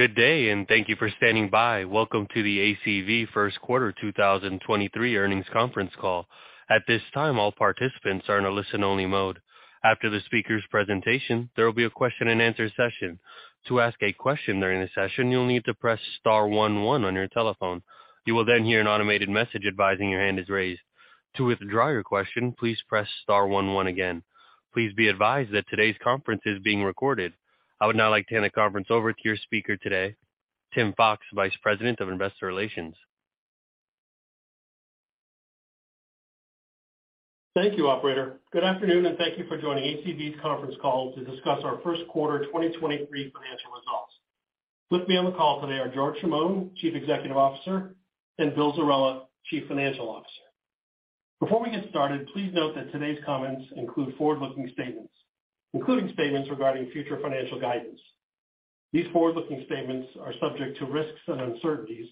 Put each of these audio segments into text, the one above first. Good day, and thank you for standing by. Welcome to the ACV 1st quarter 2023 earnings conference call. At this time, all participants are in a listen-only mode. After the speaker's presentation, there will be a question-and-answer session. To ask a question during the session, you'll need to press star 11 on your telephone. You will then hear an automated message advising your hand is raised. To withdraw your question, please press star 11 again. Please be advised that today's conference is being recorded. I would now like to hand the conference over to your speaker today, Tim Fox, Vice President of Investor Relations. Thank you, operator. Good afternoon, thank you for joining ACV's conference call to discuss our 1st quarter 2023 financial results. With me on the call today are George Chamoun, Chief Executive Officer, and Bill Zerella, Chief Financial Officer. Before we get started, please note that today's comments include forward-looking statements, including statements regarding future financial guidance. These forward-looking statements are subject to risks and uncertainties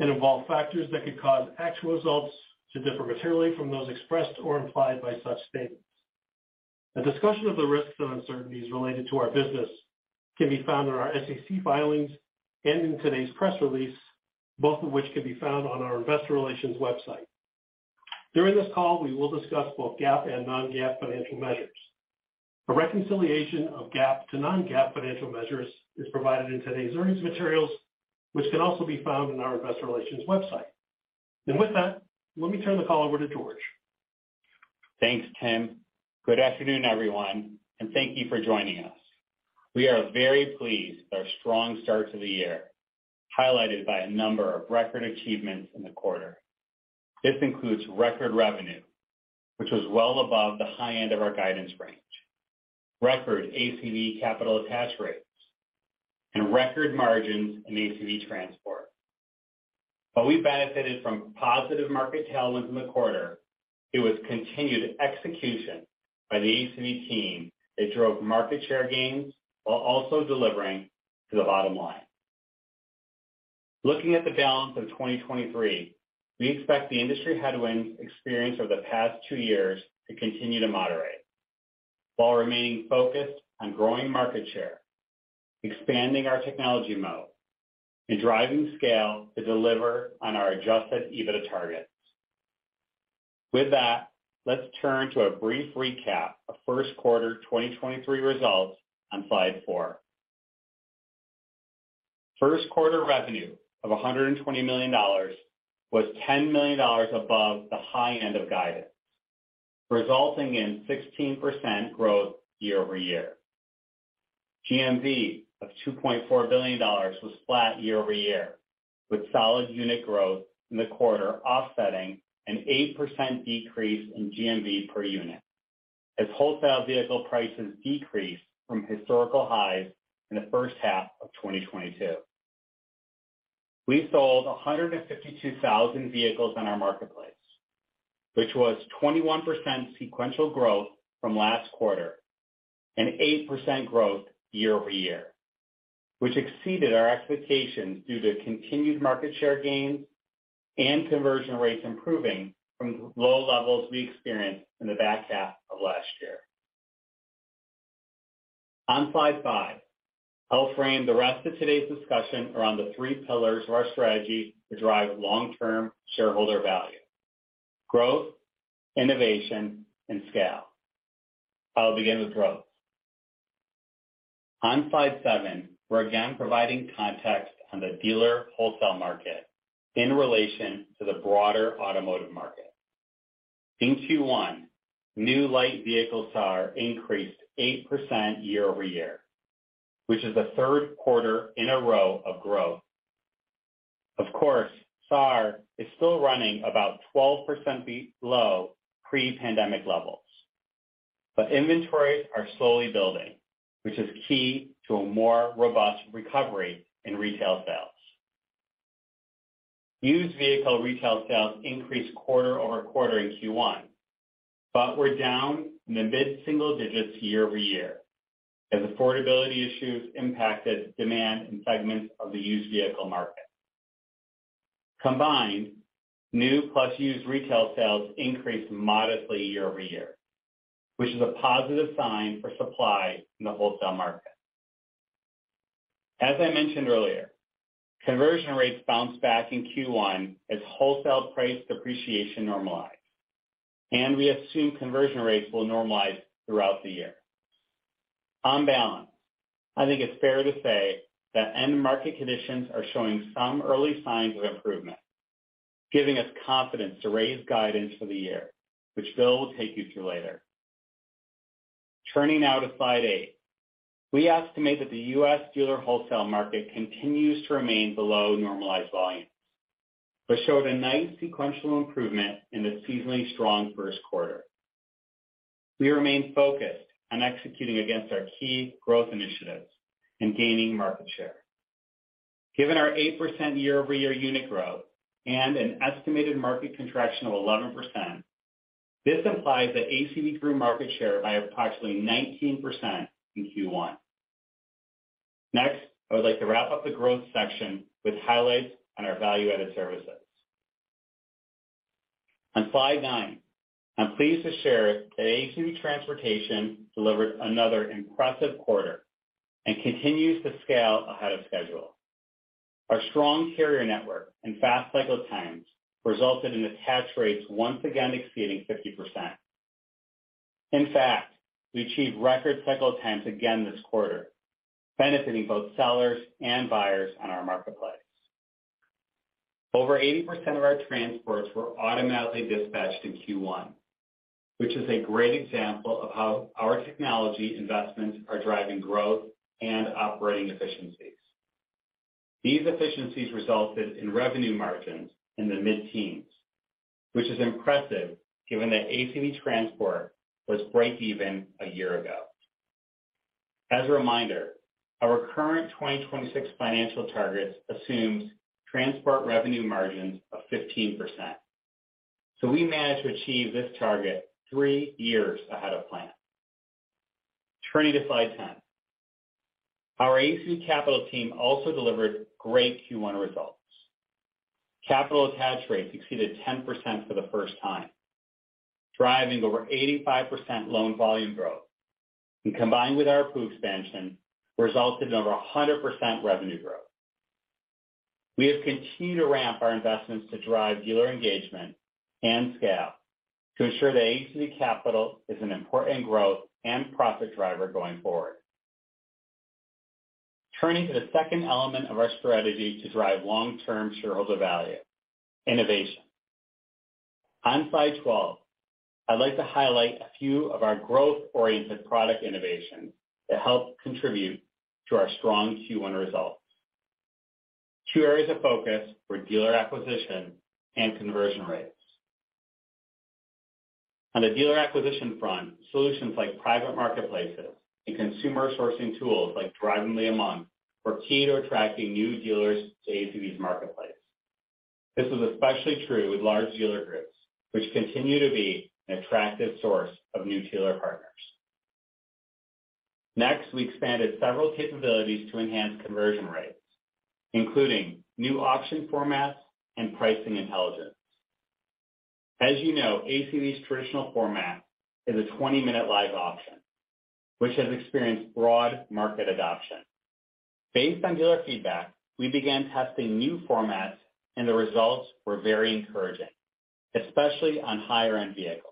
and involve factors that could cause actual results to differ materially from those expressed or implied by such statements. A discussion of the risks and uncertainties related to our business can be found in our SEC filings and in today's press release, both of which can be found on our investor relations website. During this call, we will discuss both GAAP and non-GAAP financial measures. A reconciliation of GAAP to non-GAAP financial measures is provided in today's earnings materials, which can also be found on our investor relations website. With that, let me turn the call over to George. Thanks, Tim. Good afternoon, everyone. Thank you for joining us. We are very pleased with our strong start to the year, highlighted by a number of record achievements in the quarter. This includes record revenue, which was well above the high end of our guidance range, record ACV Capital attach rates, and record margins in ACV Transportation. While we benefited from positive market tailwinds in the quarter, it was continued execution by the ACV team that drove market share gains while also delivering to the bottom line. Looking at the balance of 2023, we expect the industry headwind experience over the past two years to continue to moderate while remaining focused on growing market share, expanding our technology mode, and driving scale to deliver on our Adjusted EBITDA targets. With that, let's turn to a brief recap of first quarter 2023 results on slide four. First quarter revenue of $120 million was $10 million above the high end of guidance, resulting in 16% growth year-over-year. GMV of $2.4 billion was flat year-over-year, with solid unit growth in the quarter offsetting an 8% decrease in GMV per unit as wholesale vehicle prices decreased from historical highs in the first half of 2022. We sold 152,000 vehicles on our marketplace, which was 21% sequential growth from last quarter and 8% growth year-over-year, which exceeded our expectations due to continued market share gains and conversion rates improving from low levels we experienced in the back half of last year. On slide five, I'll frame the rest of today's discussion around the three pillars of our strategy to drive long-term shareholder value: growth, innovation, and scale. I'll begin with growth. On slide 7, we're again providing context on the dealer wholesale market in relation to the broader automotive market. In Q1, new light vehicle SAR increased 8% year-over-year, which is the third quarter in a row of growth. Of course, SAR is still running about 12% below pre-pandemic levels, but inventories are slowly building, which is key to a more robust recovery in retail sales. Used vehicle retail sales increased quarter-over-quarter in Q1, but were down in the mid-single digits year-over-year as affordability issues impacted demand in segments of the used vehicle market. Combined, new plus used retail sales increased modestly year-over-year, which is a positive sign for supply in the wholesale market. As I mentioned earlier, conversion rates bounced back in Q1 as wholesale price depreciation normalized. We assume conversion rates will normalize throughout the year. On balance, I think it's fair to say that end market conditions are showing some early signs of improvement, giving us confidence to raise guidance for the year, which Bill will take you through later. Turning now to slide 8. We estimate that the U.S. dealer wholesale market continues to remain below normalized volumes, but showed a nice sequential improvement in the seasonally strong first quarter. We remain focused on executing against our key growth initiatives and gaining market share. Given our 8% year-over-year unit growth and an estimated market contraction of 11%, this implies that ACV grew market share by approximately 19% in Q1. I would like to wrap up the growth section with highlights on our value-added services. On slide 9, I'm pleased to share that ACV Transportation delivered another impressive quarter and continues to scale ahead of schedule. Our strong carrier network and fast cycle times resulted in attach rates once again exceeding 50%. In fact, we achieved record cycle times again this quarter, benefiting both sellers and buyers on our marketplace. Over 80% of our transports were automatically dispatched in Q1, which is a great example of how our technology investments are driving growth and operating efficiencies. These efficiencies resulted in revenue margins in the mid-teens, which is impressive given that ACV Transport was breakeven a year ago. As a reminder, our current 2026 financial targets assumes transport revenue margins of 15%. We managed to achieve this target three years ahead of plan. Turning to slide 10. Our ACV Capital team also delivered great Q1 results. Capital attach rates exceeded 10% for the first time, driving over 85% loan volume growth, combined with our approved expansion, resulted in over 100% revenue growth. We have continued to ramp our investments to drive dealer engagement and scale to ensure that ACV Capital is an important growth and profit driver going forward. Turning to the second element of our strategy to drive long-term shareholder value, innovation. On slide 12, I'd like to highlight a few of our growth-oriented product innovations that help contribute to our strong Q1 results. Two areas of focus were dealer acquisition and conversion rates. On the dealer acquisition front, solutions like Private Marketplaces and consumer sourcing tools like Drivably, were key to attracting new dealers to ACV's marketplace. This was especially true with large dealer groups, which continue to be an attractive source of new dealer partners. We expanded several capabilities to enhance conversion rates, including new auction formats and pricing intelligence. As you know, ACV's traditional format is a 20-minute live auction, which has experienced broad market adoption. Based on dealer feedback, we began testing new formats, and the results were very encouraging, especially on higher-end vehicles.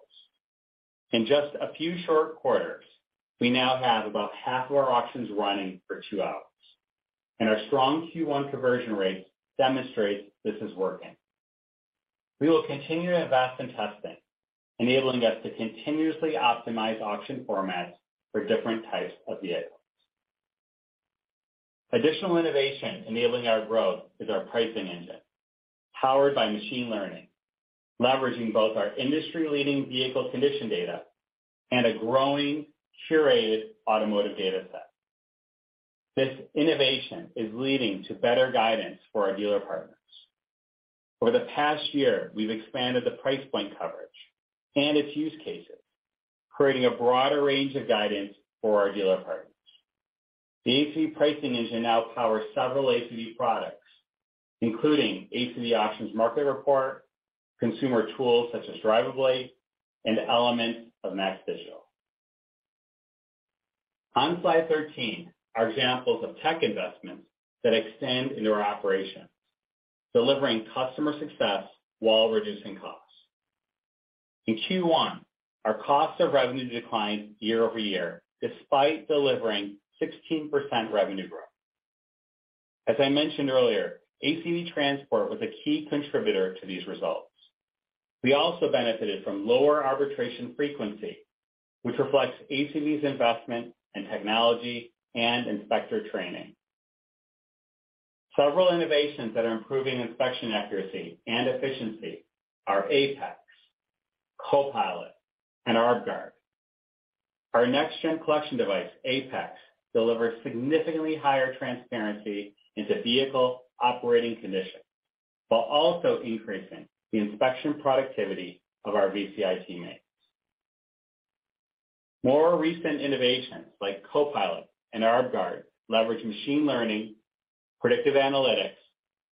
In just a few short quarters, we now have about half of our auctions running for 2 hours, and our strong Q1 conversion rates demonstrate this is working. We will continue to invest in testing, enabling us to continuously optimize auction formats for different types of vehicles. Additional innovation enabling our growth is our pricing engine, powered by machine learning, leveraging both our industry-leading vehicle condition data and a growing curated automotive data set. This innovation is leading to better guidance for our dealer partners. Over the past year, we've expanded the price point coverage and its use cases, creating a broader range of guidance for our dealer partners. The ACV pricing engine now powers several ACV products, including ACV Auctions Market Report, consumer tools such as Drivably, and elements of MAX Digital. On slide 13 are examples of tech investments that extend into our operations, delivering customer success while reducing costs. In Q1, our cost of revenue declined year-over-year despite delivering 16% revenue growth. As I mentioned earlier, ACV Transport was a key contributor to these results. We also benefited from lower arbitration frequency, which reflects ACV's investment in technology and inspector training. Several innovations that are improving inspection accuracy and efficiency are Apex, CoPilot, and ArbGuard. Our next-gen collection device, Apex, delivers significantly higher transparency into vehicle operating conditions while also increasing the inspection productivity of our VCI teammates. More recent innovations like CoPilot and ArbGuard leverage machine learning, predictive analytics,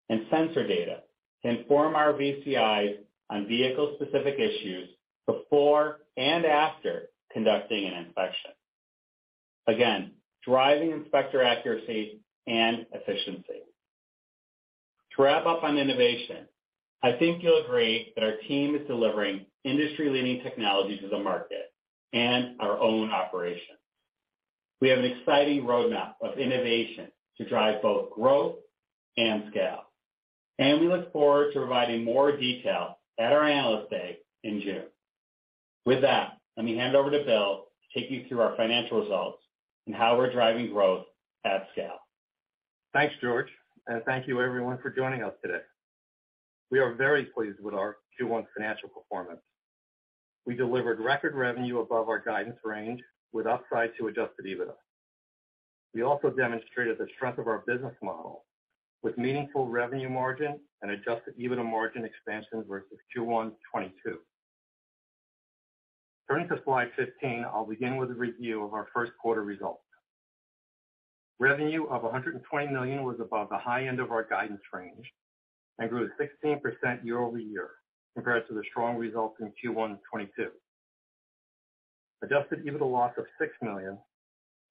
and sensor data to inform our VCIs on vehicle-specific issues before and after conducting an inspection. Driving inspector accuracy and efficiency. To wrap up on innovation, I think you'll agree that our team is delivering industry-leading technology to the market and our own operations. We have an exciting roadmap of innovation to drive both growth and scale, and we look forward to providing more detail at our Analyst Day in June. With that, let me hand over to Bill to take you through our financial results and how we're driving growth at scale. Thanks, George. Thank you everyone for joining us today. We are very pleased with our Q1 financial performance. We delivered record revenue above our guidance range with upside to Adjusted EBITDA. We also demonstrated the strength of our business model with meaningful revenue margin and Adjusted EBITDA margin expansions verus Q1 2022. Turning to slide 15, I'll begin with a review of our first quarter results. Revenue of $120 million was above the high end of our guidance range and grew 16% year-over-year compared to the strong results in Q1 2022. Adjusted EBITDA loss of $6 million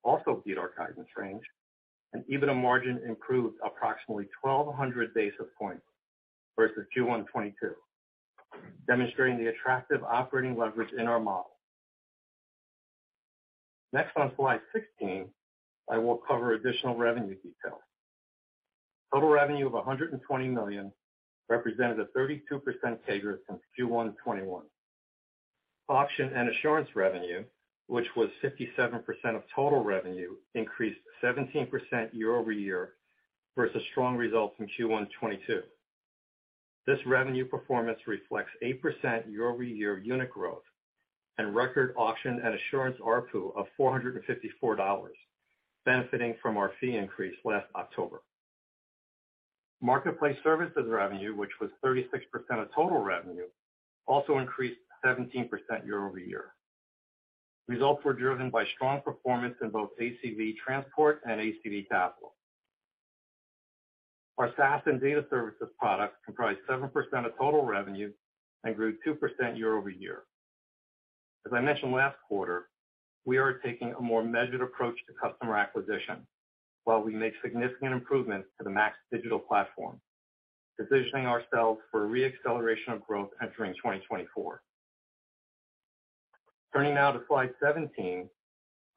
also beat our guidance range and EBITDA margin improved approximately 1,200 basis points versus Q1 2022, demonstrating the attractive operating leverage in our model. Next, on slide 16, I will cover additional revenue details. Total revenue of $120 million represented a 32% CAGR since Q1 2021. Auction and assurance revenue, which was 57% of total revenue, increased 17% year-over-year versus strong results in Q1 2022. This revenue performance reflects 8% year-over-year unit growth and record auction and assurance ARPU of $454 benefiting from our fee increase last October. Marketplace services revenue, which was 36% of total revenue, also increased 17% year-over-year. Results were driven by strong performance in both ACV Transportation and ACV Capital. Our SaaS and data services products comprised 7% of total revenue and grew 2% year-over-year. As I mentioned last quarter, we are taking a more measured approach to customer acquisition while we make significant improvements to the MAX Digital platform, positioning ourselves for re-acceleration of growth entering 2024. Turning now to slide 17,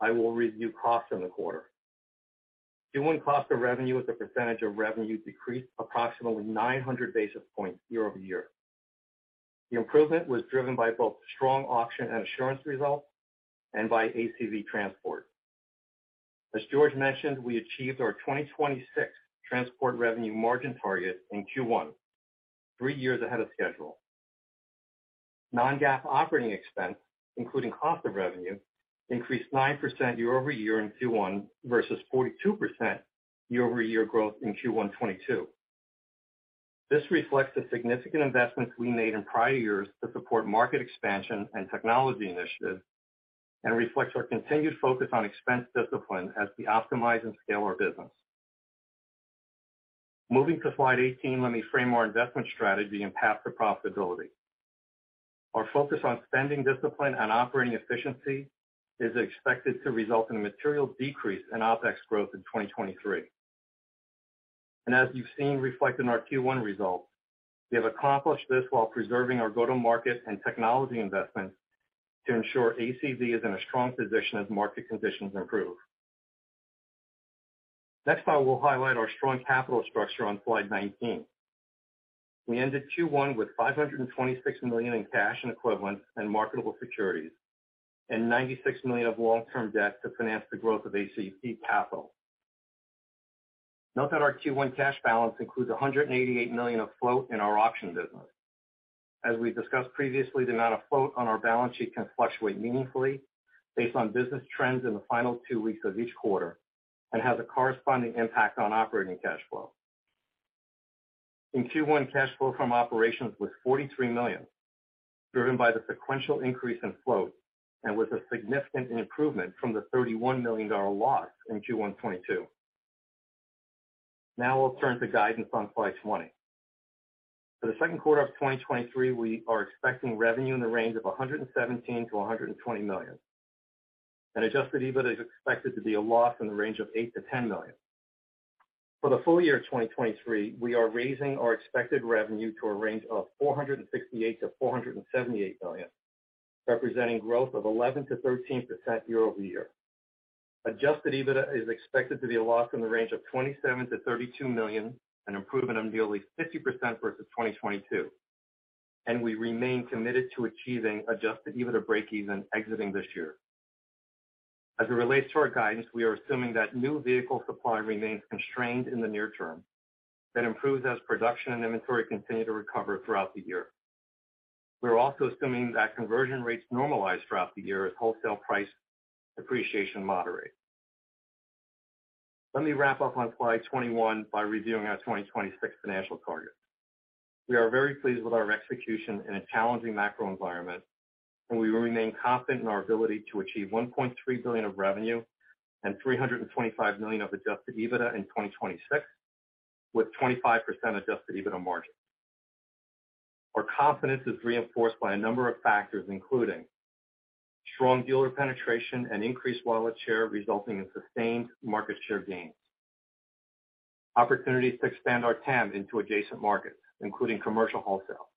I will review costs in the quarter. Q1 cost of revenue as a percentage of revenue decreased approximately 900 basis points year-over-year. The improvement was driven by both strong auction and assurance results and by ACV Transportation. As George mentioned, we achieved our 2026 transport revenue margin target in Q1, three years ahead of schedule. Non-GAAP operating expense, including cost of revenue, increased 9% year-over-year in Q1 versus 42% year-over-year growth in Q1 2022. This reflects the significant investments we made in prior years to support market expansion and technology initiatives and reflects our continued focus on expense discipline as we optimize and scale our business. Moving to slide 18, let me frame our investment strategy and path to profitability. Our focus on spending discipline and operating efficiency is expected to result in a material decrease in OpEx growth in 2023. As you've seen reflected in our Q1 results, we have accomplished this while preserving our go-to-market and technology investments to ensure ACV is in a strong position as market conditions improve. Next, I will highlight our strong capital structure on slide 19. We ended Q1 with $526 million in cash equivalents and marketable securities and $96 million of long-term debt to finance the growth of ACV Capital. Note that our Q1 cash balance includes $188 million of float in our auction business. As we discussed previously, the amount of float on our balance sheet can fluctuate meaningfully based on business trends in the final 2 weeks of each quarter and has a corresponding impact on operating cash flow. In Q1, cash flow from operations was $43 million, driven by the sequential increase in float and was a significant improvement from the $31 million loss in Q1 '22. We'll turn to guidance on slide 20. For the second quarter of 2023, we are expecting revenue in the range of $117 million-120 million. Net Adjusted EBITDA is expected to be a loss in the range of $8 million-10 million. For the full year of 2023, we are raising our expected revenue to a range of $468 million-478 million, representing growth of 11%-13% year-over-year. Adjusted EBITDA is expected to be a loss in the range of $27 million-32 million, an improvement of nearly 50% versus 2022. We remain committed to achieving Adjusted EBITDA breakeven exiting this year. As it relates to our guidance, we are assuming that new vehicle supply remains constrained in the near term that improves as production and inventory continue to recover throughout the year. We're also assuming that conversion rates normalize throughout the year as wholesale price appreciation moderate. Let me wrap up on slide 21 by reviewing our 2026 financial targets. We are very pleased with our execution in a challenging macro environment. We remain confident in our ability to achieve $1.3 billion of revenue and $325 million of Adjusted EBITDA in 2026 with 25% Adjusted EBITDA margin. Our confidence is reinforced by a number of factors, including strong dealer penetration and increased wallet share, resulting in sustained market share gains. Opportunities to expand our TAM into adjacent markets, including commercial wholesale.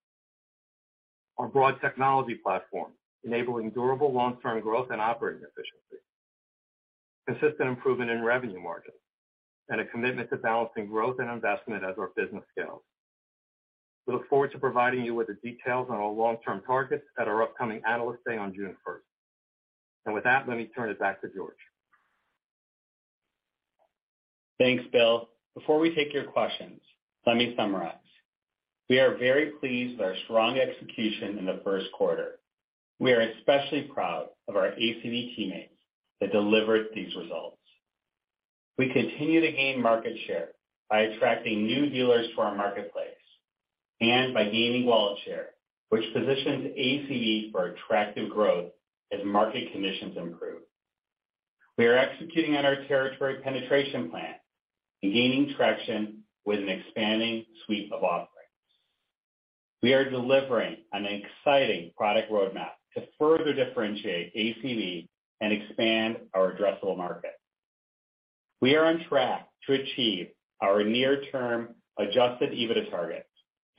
Our broad technology platform enabling durable long-term growth and operating efficiency. Consistent improvement in revenue margins, and a commitment to balancing growth and investment as our business scales. We look forward to providing you with the details on our long-term targets at our upcoming Analyst Day on June first. With that, let me turn it back to George. Thanks, Bill. Before we take your questions, let me summarize. We are very pleased with our strong execution in the first quarter. We are especially proud of our ACV teammates that delivered these results. We continue to gain market share by attracting new dealers to our marketplace and by gaining wallet share, which positions ACV for attractive growth as market conditions improve. We are executing on our territory penetration plan and gaining traction with an expanding suite of offerings. We are delivering an exciting product roadmap to further differentiate ACV and expand our addressable market. We are on track to achieve our near term Adjusted EBITDA targets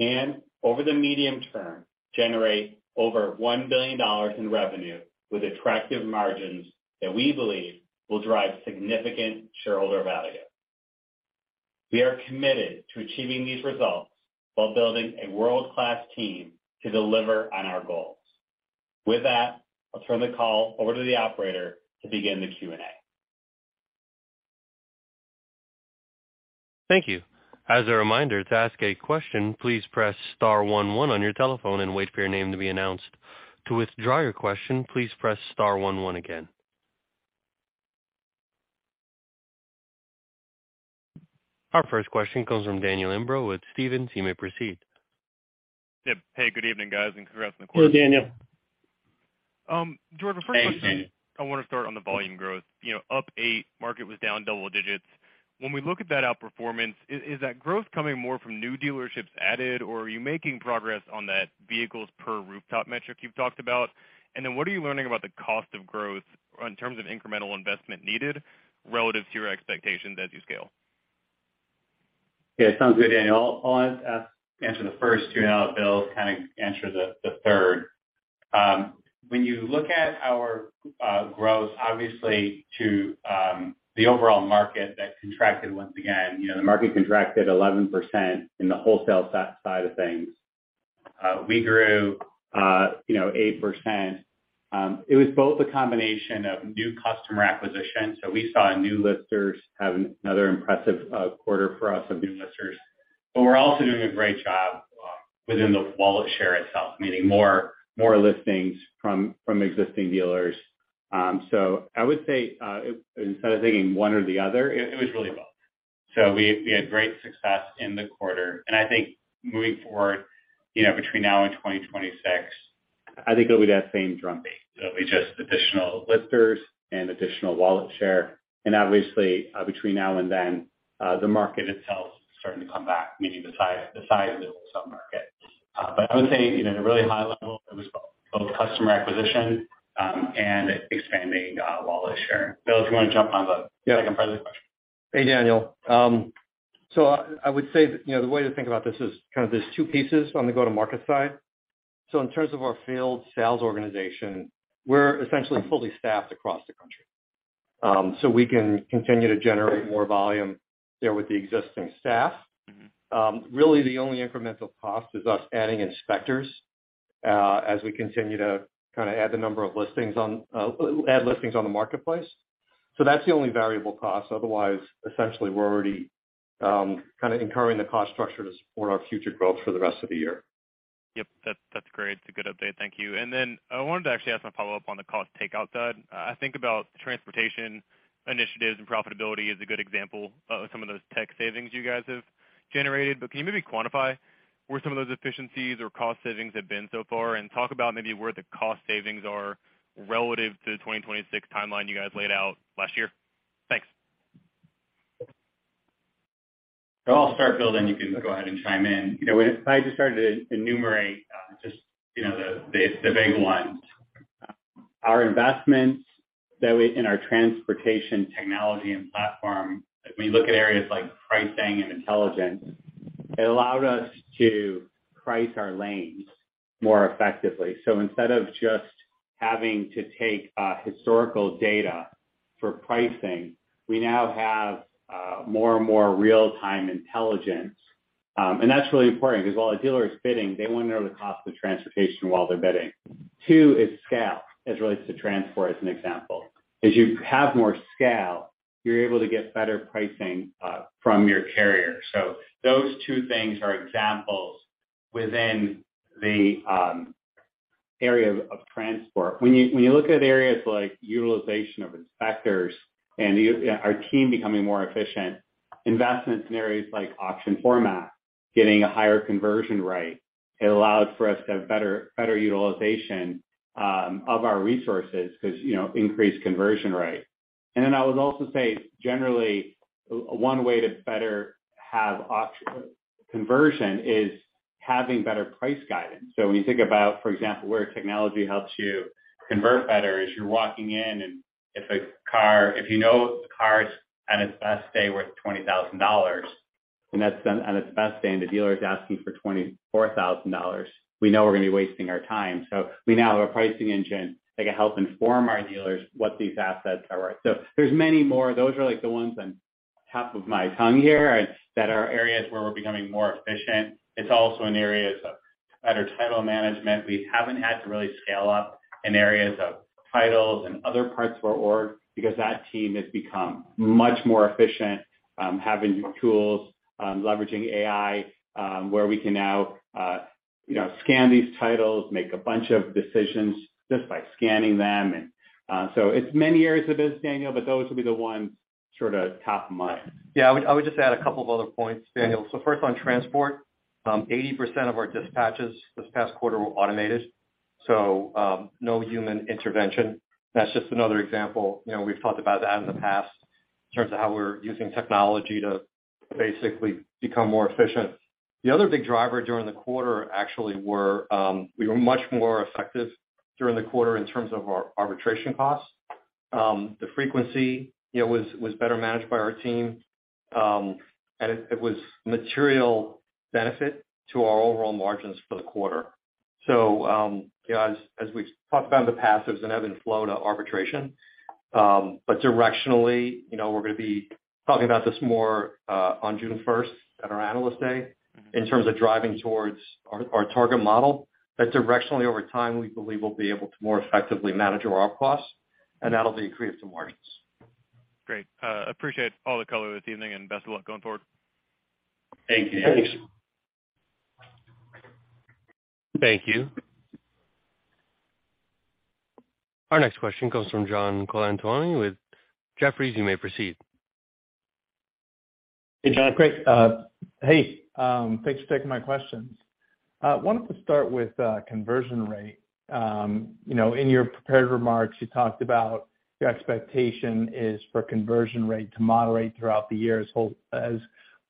and over the medium term, generate over $1 billion in revenue with attractive margins that we believe will drive significant shareholder value. We are committed to achieving these results while building a world-class team to deliver on our goals. With that, I'll turn the call over to the operator to begin the Q&A. Thank you. As a reminder, to ask a question, please press star one one on your telephone and wait for your name to be announced. To withdraw your question, please press star one one again. Our first question comes from Daniel Imbro with Stephens. You may proceed. Yep. Hey, good evening, guys, and congrats on the quarter. Hello, Daniel. George, first question. Hey, Daniel. I want to start on the volume growth. You know, up 8, market was down double digits. When we look at that outperformance, is that growth coming more from new dealerships added, or are you making progress on that vehicles per rooftop metric you've talked about? What are you learning about the cost of growth in terms of incremental investment needed relative to your expectations as you scale? Yeah, sounds good, Daniel. I'll answer the first two, and now Bill Zerella kind of answer the 3rd. When you look at our growth, obviously to the overall market that contracted once again, you know, the market contracted 11% in the wholesale side of things. We grew, you know, 8%. It was both a combination of new customer acquisition. We saw new listers have another impressive quarter for us of new listers. We're also doing a great job within the wallet share itself, meaning more listings from existing dealers. I would say, instead of thinking one or the other, it was really both. We had great success in the quarter. I think moving forward, you know, between now and 2026, I think it'll be that same drum beat. It'll be just additional listers and additional wallet share. Obviously, between now and then, the market itself starting to come back, meaning the size of the wholesale market. I would say, you know, at a really high level, it was both customer acquisition and expanding wallet share. Bill, if you want to jump on the second part of the question. Hey, Daniel. I would say that, you know, the way to think about this is kind of there's two pieces on the go-to-market side. In terms of our field sales organization, we're essentially fully staffed across the country. We can continue to generate more volume there with the existing staff. Really the only incremental cost is us adding inspectors, as we continue to add the number of listings on, add listings on the marketplace. That's the only variable cost. Otherwise, essentially, we're already incurring the cost structure to support our future growth for the rest of the year. Yep, that's great. It's a good update. Thank you. I wanted to actually ask a follow-up on the cost takeout side. I think about transportation initiatives and profitability is a good example of some of those tech savings you guys have generated. Can you maybe quantify where some of those efficiencies or cost savings have been so far? Talk about maybe where the cost savings are relative to the 2026 timeline you guys laid out last year. Thanks. I'll start, Bill, then you can go ahead and chime in. You know, if I just started to enumerate, just, you know, the, the big ones. Our investments that we, in our transportation technology and platform, if we look at areas like pricing and intelligence, it allowed us to price our lanes more effectively. Instead of just having to take historical data for pricing, we now have more and more real-time intelligence. That's really important because while a dealer is bidding, they want to know the cost of transportation while they're bidding. Two is scale as it relates to transport as an example. As you have more scale, you're able to get better pricing from your carrier. Those two things are examples within the area of transport. When you look at areas like utilization of inspectors and our team becoming more efficient, investments in areas like auction format, getting a higher conversion rate, it allows for us to have better utilization of our resources because, you know, increased conversion rate. I would also say, generally, one way to better have conversion is having better price guidance. When you think about, for example, where technology helps you convert better is you're walking in, and If you know the car is at its best day worth $20,000, and that's on its best day, and the dealer is asking for $24,000, we know we're gonna be wasting our time. We now have a pricing engine that can help inform our dealers what these assets are worth. There's many more. Those are like the ones on top of my tongue here that are areas where we're becoming more efficient. It's also in areas of better title management. We haven't had to really scale up in areas of titles and other parts of our org because that team has become much more efficient, having tools, leveraging AI, where we can now, You know, scan these titles, make a bunch of decisions just by scanning them and, so it's many areas of business, Daniel, but those will be the ones sort of top of mind. I would just add a couple of other points, Daniel. First on transport, 80% of our dispatches this past quarter were automated, no human intervention. That's just another example. You know, we've talked about that in the past in terms of how we're using technology to basically become more efficient. The other big driver during the quarter actually were, we were much more effective during the quarter in terms of our arbitration costs. The frequency, you know, was better managed by our team, and it was material benefit to our overall margins for the quarter. You know, as we've talked about in the past, there's an ebb and flow to arbitration. Directionally, you know, we're gonna be talking about this more on June first at our Analyst Day in terms of driving towards our target model. Directionally, over time, we believe we'll be able to more effectively manage our OpEx, and that'll be accretive to margins. Great. Appreciate all the color this evening, and best of luck going forward. Thank you. Thanks. Thank you. Our next question comes from John Colantuoni with Jefferies. You may proceed. Hey, John. Great. Hey, thanks for taking my questions. Wanted to start with conversion rate. You know, in your prepared remarks, you talked about your expectation is for conversion rate to moderate throughout the year as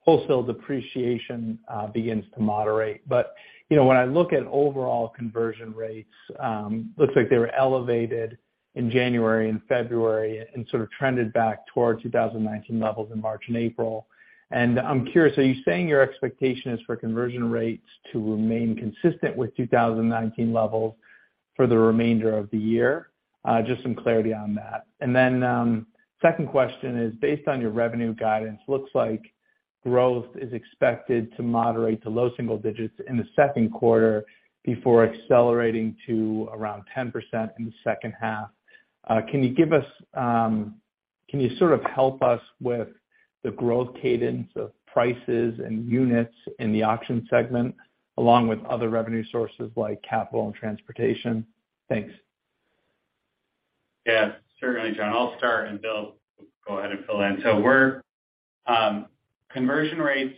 wholesale depreciation begins to moderate. You know, when I look at overall conversion rates, looks like they were elevated in January and February and sort of trended back towards 2019 levels in March and April. I'm curious, are you saying your expectation is for conversion rates to remain consistent with 2019 levels for the remainder of the year? Just some clarity on that. Second question is, based on your revenue guidance, looks like growth is expected to moderate to low single digits in the second quarter before accelerating to around 10% in the second half. Can you give us, can you sort of help us with the growth cadence of prices and units in the auction segment, along with other revenue sources like capital and transportation? Thanks. Certainly, John. I'll start, and Bill will go ahead and fill in. We're conversion rates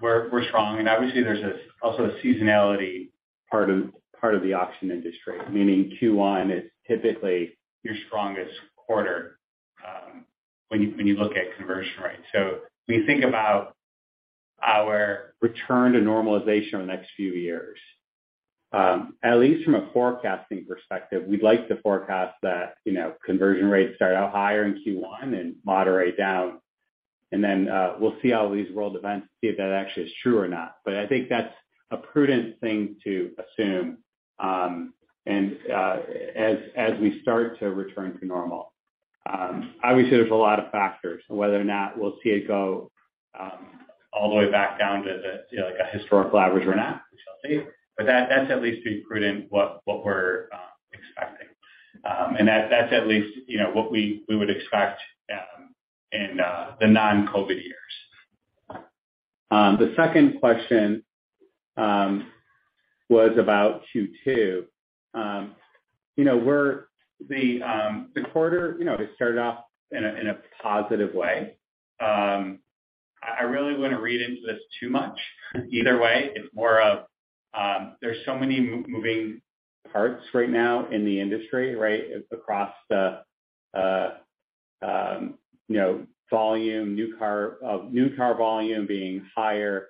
were strong, and obviously there's also a seasonality part of the auction industry, meaning Q1 is typically your strongest quarter when you look at conversion rates. When you think about our return to normalization over the next few years, at least from a forecasting perspective, we'd like to forecast that, you know, conversion rates start out higher in Q1 and moderate down. We'll see how these world events see if that actually is true or not. I think that's a prudent thing to assume, and as we start to return to normal. Obviously there's a lot of factors on whether or not we'll see it go all the way back down to the, you know, like a historical average or not, we shall see. That's at least being prudent what we're expecting. That's at least, you know, what we would expect in the non-COVID years. The second question was about Q2. You know, we're the quarter, you know, it started off in a positive way. I really wouldn't read into this too much either way. It's more of, there's so many moving parts right now in the industry, right, across the, you know, volume, new car, new car volume being higher,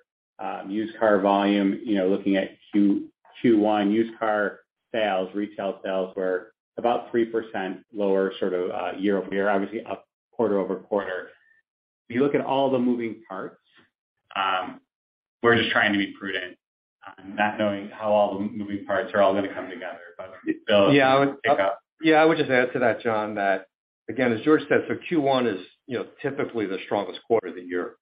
used car volume, you know, looking at Q1 used car sales, retail sales were about 3% lower sort of year-over-year, obviously up quarter-over-quarter. If you look at all the moving parts, we're just trying to be prudent on not knowing how all the moving parts are all gonna come together. Bill, pick up. Yeah, I would just add to that, John, that again, as George said, Q1 is, you know, typically the strongest quarter of the year.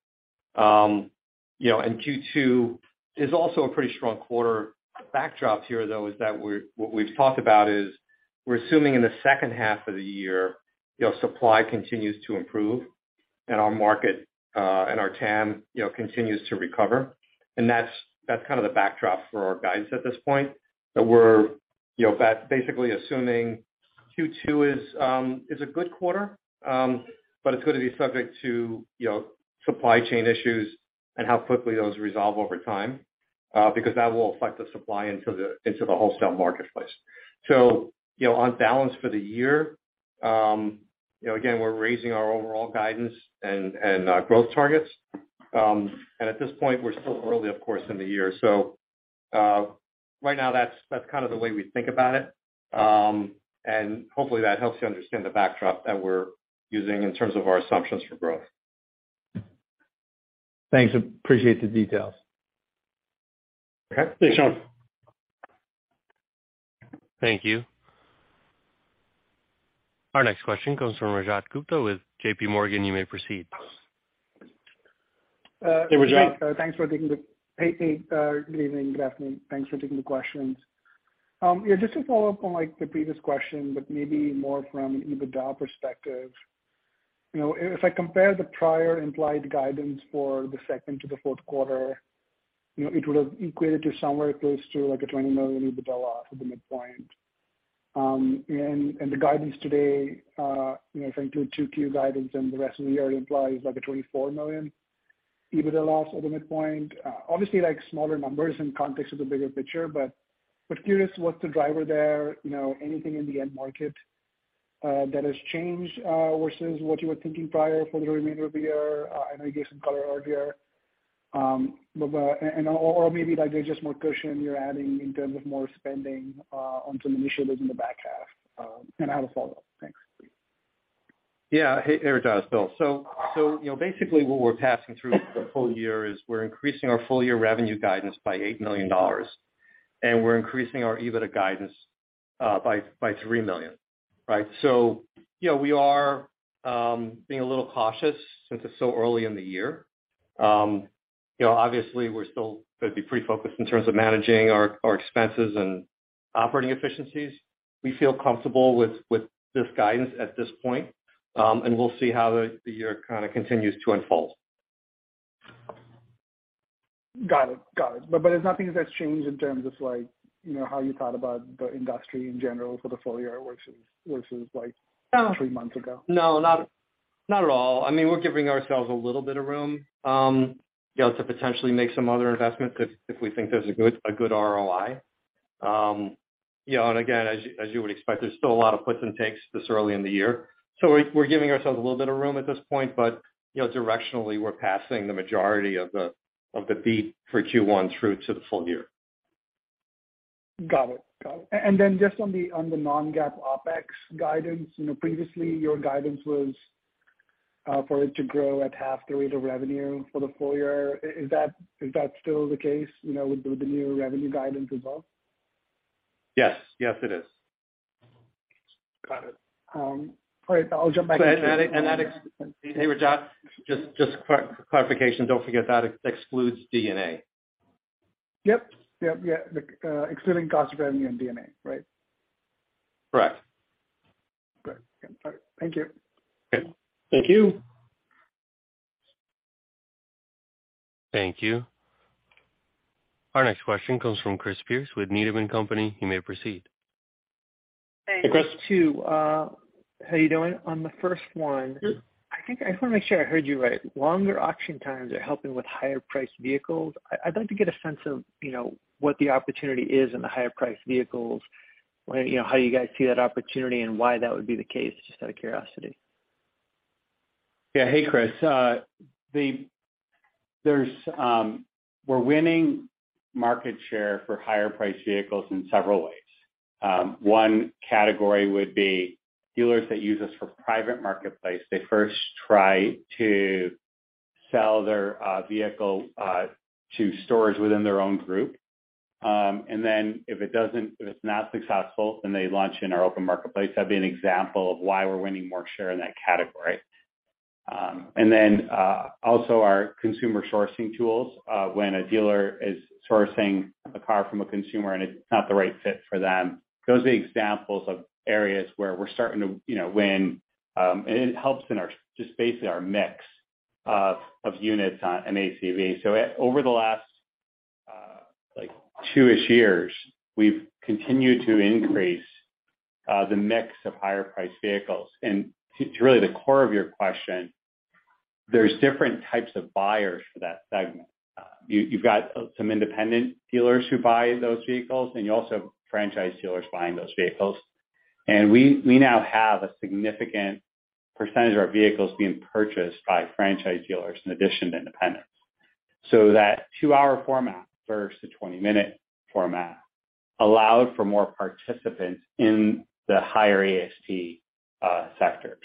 You know, Q2 is also a pretty strong quarter. The backdrop here though is that what we've talked about is we're assuming in the second half of the year, you know, supply continues to improve and our market and our TAM, you know, continues to recover. That's, that's kind of the backdrop for our guidance at this point, that we're, you know, basically assuming Q2 is a good quarter, but it's gonna be subject to, you know, supply chain issues and how quickly those resolve over time, because that will affect the supply into the wholesale marketplace. You know, on balance for the year, you know, again, we're raising our overall guidance and growth targets. At this point we're still early of course in the year. Right now that's kind of the way we think about it. Hopefully that helps you understand the backdrop that we're using in terms of our assumptions for growth. Thanks. Appreciate the details. Okay. Thanks, John. Thank you. Our next question comes from Rajat Gupta with J.P. Morgan. You may proceed. Hey, Rajat. Yeah, Hey, good evening, good afternoon. Thanks for taking the questions. Yeah, just to follow up on like the previous question, maybe more from an EBITDA perspective. You know, if I compare the prior implied guidance for the second to the fourth quarter, you know, it would have equated to somewhere close to like a $20 million EBITDA loss at the midpoint. The guidance today, you know, if I include 2Q guidance and the rest of the year implies like a $24 million EBITDA loss at the midpoint. Obviously like smaller numbers in context of the bigger picture, but curious what the driver there, you know, anything in the end market that has changed versus what you were thinking prior for the remainder of the year. I know you gave some color earlier. Or maybe like there's just more cushion you're adding in terms of more spending on some initiatives in the back half. I have a follow-up. Thanks. Yeah. Hey, Rajat, it's Bill. You know, basically what we're passing through the full year is we're increasing our full year revenue guidance by $8 million and we're increasing our EBITDA guidance by $3 million, right? You know, we are being a little cautious since it's so early in the year. You know, obviously we're still going to be pretty focused in terms of managing our expenses and operating efficiencies. We feel comfortable with this guidance at this point, and we'll see how the year kind of continues to unfold. Got it. Got it. There's nothing that's changed in terms of like, you know, how you thought about the industry in general for the full year versus like three months ago? No, not at all. I mean, we're giving ourselves a little bit of room, you know, to potentially make some other investments if we think there's a good ROI. You know, and again, as you would expect, there's still a lot of puts and takes this early in the year. We're giving ourselves a little bit of room at this point. You know, directionally we're passing the majority of the beat for Q1 through to the full year. Got it. Got it. Then just on the non-GAAP OpEx guidance. You know, previously your guidance was for it to grow at half the rate of revenue for the full year. Is that still the case, you know, with the new revenue guidance above? Yes. Yes, it is. Got it. All right, I'll jump back... That... Hey, Raj, just clarification. Don't forget that excludes DNA. Yep. Yep. Yeah. The, excluding cost of revenue and DNA, right? Correct. Good. All right. Thank you. Okay. Thank you. Thank you. Our next question comes from Chris Pierce with Needham & Company. You may proceed. Thanks. Two, how you doing? On the first one, I think I just want to make sure I heard you right. Longer auction times are helping with higher priced vehicles. I'd like to get a sense of, you know, what the opportunity is in the higher priced vehicles, where, you know, how you guys see that opportunity and why that would be the case, just out of curiosity. Hey, Chris. We're winning market share for higher priced vehicles in several ways. One category would be dealers that use us for Private Marketplace. They first try to sell their vehicle to stores within their own group. If it doesn't, if it's not successful, then they launch in our open marketplace. That'd be an example of why we're winning more share in that category. Also our consumer sourcing tools. When a dealer is sourcing a car from a consumer and it's not the right fit for them, those are the examples of areas where we're starting to, you know, win, and it helps in our, just basically our mix of units on an ACV. Over the last, like 2-ish years, we've continued to increase the mix of higher priced vehicles. To, to really the core of your question, there's different types of buyers for that segment. You, you've got some independent dealers who buy those vehicles, then you also have franchise dealers buying those vehicles. We, we now have a significant percentage of our vehicles being purchased by franchise dealers in addition to independents. That 2-hour format versus the 20-minute format allowed for more participants in the higher ASP sectors.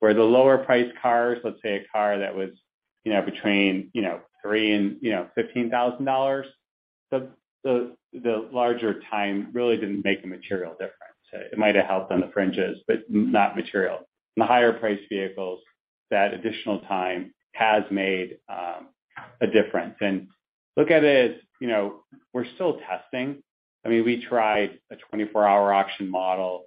Where the lower priced cars, let's say a car that was, you know, between, you know, $3,000 and, you know, $15,000, the, the larger time really didn't make a material difference. It might have helped on the fringes, but not material. The higher priced vehicles, that additional time has made a difference. Look at it as, you know, we're still testing. I mean, we tried a 24-hour auction model.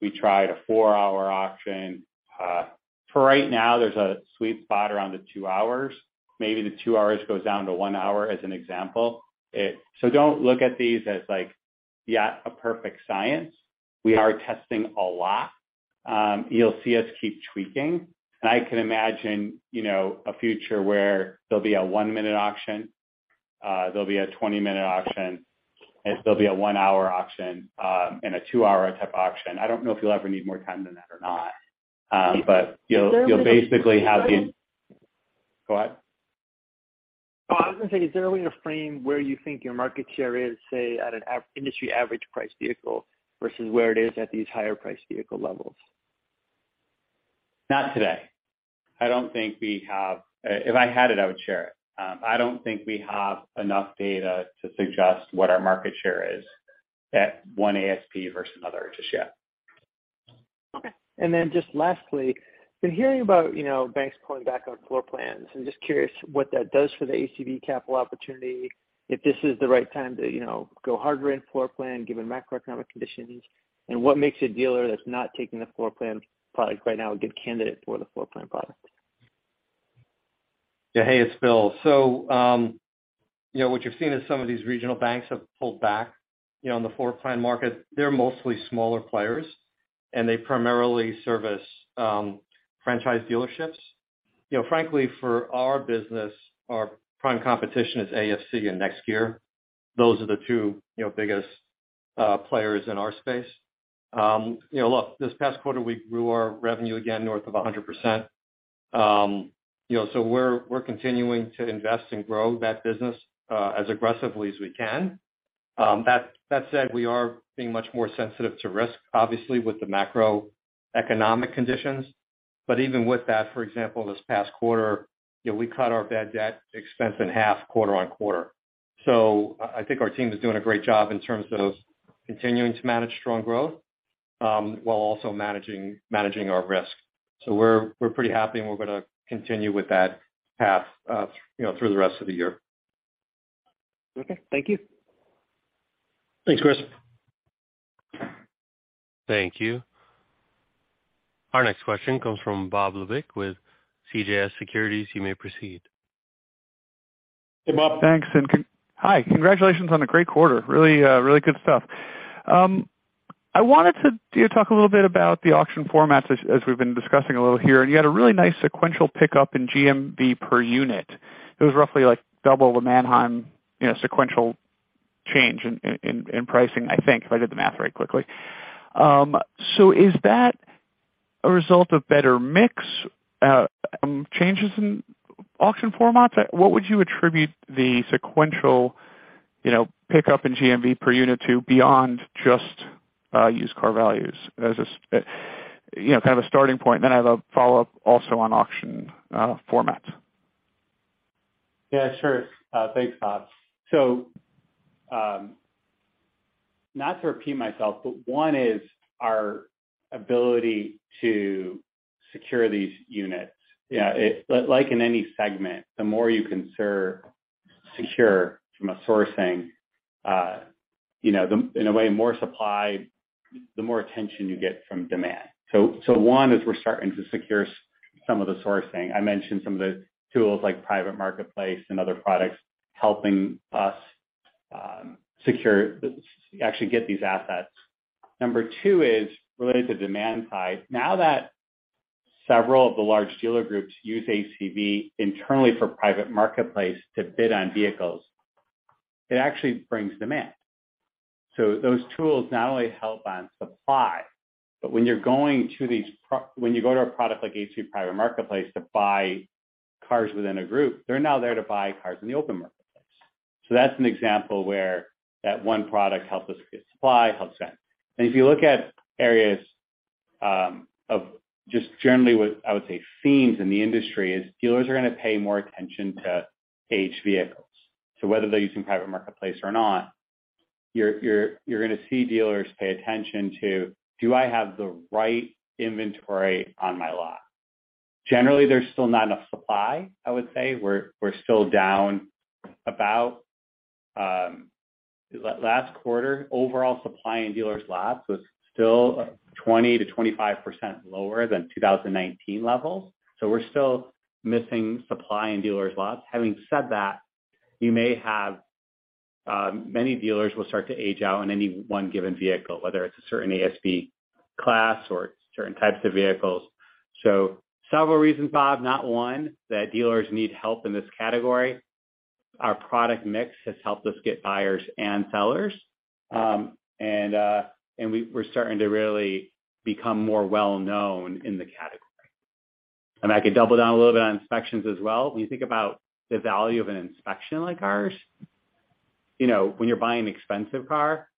We tried a four-hour auction. For right now, there's a sweet spot around the two hours. Maybe the two hours goes down to one hour as an example. Don't look at these as like, yeah, a perfect science. We are testing a lot. You'll see us keep tweaking. I can imagine, you know, a future where there'll be a one-minute auction, there'll be a 20-minute auction, and there'll be a one-hour auction, and a two-hour type auction. I don't know if you'll ever need more time than that or not. You'll, you'll basically have Go ahead. I was gonna say, is there a way to frame where you think your market share is, say, at an industry average priced vehicle versus where it is at these higher priced vehicle levels? Not today. I don't think we have. If I had it, I would share it. I don't think we have enough data to suggest what our market share is at 1 ASP versus another just yet. Okay. Just lastly, been hearing about, you know, banks pulling back on floor plans. I'm just curious what that does for the ACV Capital opportunity, if this is the right time to, you know, go harder in floor plan given macroeconomic conditions? What makes a dealer that's not taking the floor plan product right now a good candidate for the floor plan product? Hey, it's Bill. You know, what you're seeing is some of these regional banks have pulled back, you know, on the floor plan market. They're mostly smaller players, and they primarily service franchise dealerships. You know, frankly, for our business, our prime competition is AFC and NextGear. Those are the two, you know, biggest players in our space. You know, look, this past quarter, we grew our revenue again north of 100%. You know, we're continuing to invest and grow that business as aggressively as we can. That said, we are being much more sensitive to risk, obviously, with the macroeconomic conditions. Even with that, for example, this past quarter, you know, we cut our bad debt expense in half quarter-on-quarter. I think our team is doing a great job in terms of continuing to manage strong growth, while also managing our risk. We're, we're pretty happy, and we're gonna continue with that path, you know, through the rest of the year. Okay. Thank you. Thanks, Chris. Thank you. Our next question comes from Bob Labick with CJS Securities. You may proceed. Hey, Bob. Thanks. hi. Congratulations on a great quarter. Really, really good stuff. I wanted to, you know, talk a little bit about the auction formats as we've been discussing a little here. You had a really nice sequential pickup in GMV per unit. It was roughly, like, double the Manheim, you know, sequential change in pricing, I think, if I did the math very quickly. Is that a result of better mix, changes in auction formats? What would you attribute the sequential, you know, pickup in GMV per unit to beyond just used car values as a starting point? I have a follow-up also on auction formats. Yeah, sure. Thanks, Bob. Not to repeat myself, but one is our ability to secure these units. You know, like in any segment, the more you can secure from a sourcing, you know, in a way more supply, the more attention you get from demand. One is we're starting to secure some of the sourcing. I mentioned some of the tools like Private Marketplace and other products helping us secure, actually get these assets. Number two is related to demand side. Now that several of the large dealer groups use ACV internally for Private Marketplace to bid on vehicles, it actually brings demand. Those tools not only help on supply, but when you go to a product like ACV Private Marketplace to buy cars within a group, they're now there to buy cars in the open marketplace. That's an example where that one product helps us get supply, helps that. If you look at areas, of just generally what I would say themes in the industry is dealers are gonna pay more attention to aged vehicles. Whether they're using Private Marketplace or not, you're gonna see dealers pay attention to, do I have the right inventory on my lot? Generally, there's still not enough supply, I would say. We're still down about... Last quarter, overall supply in dealers' lots was still 20-25% lower than 2019 levels, so we're still missing supply in dealers' lots. Having said that, you may have many dealers will start to age out on any 1 given vehicle, whether it's a certain ASV class or certain types of vehicles. Several reasons, Bob, not 1, that dealers need help in this category. Our product mix has helped us get buyers and sellers. We're starting to really become more well-known in the category. I could double down a little bit on inspections as well. When you think about the value of an inspection like ours, you know, when you're buying an expensive car,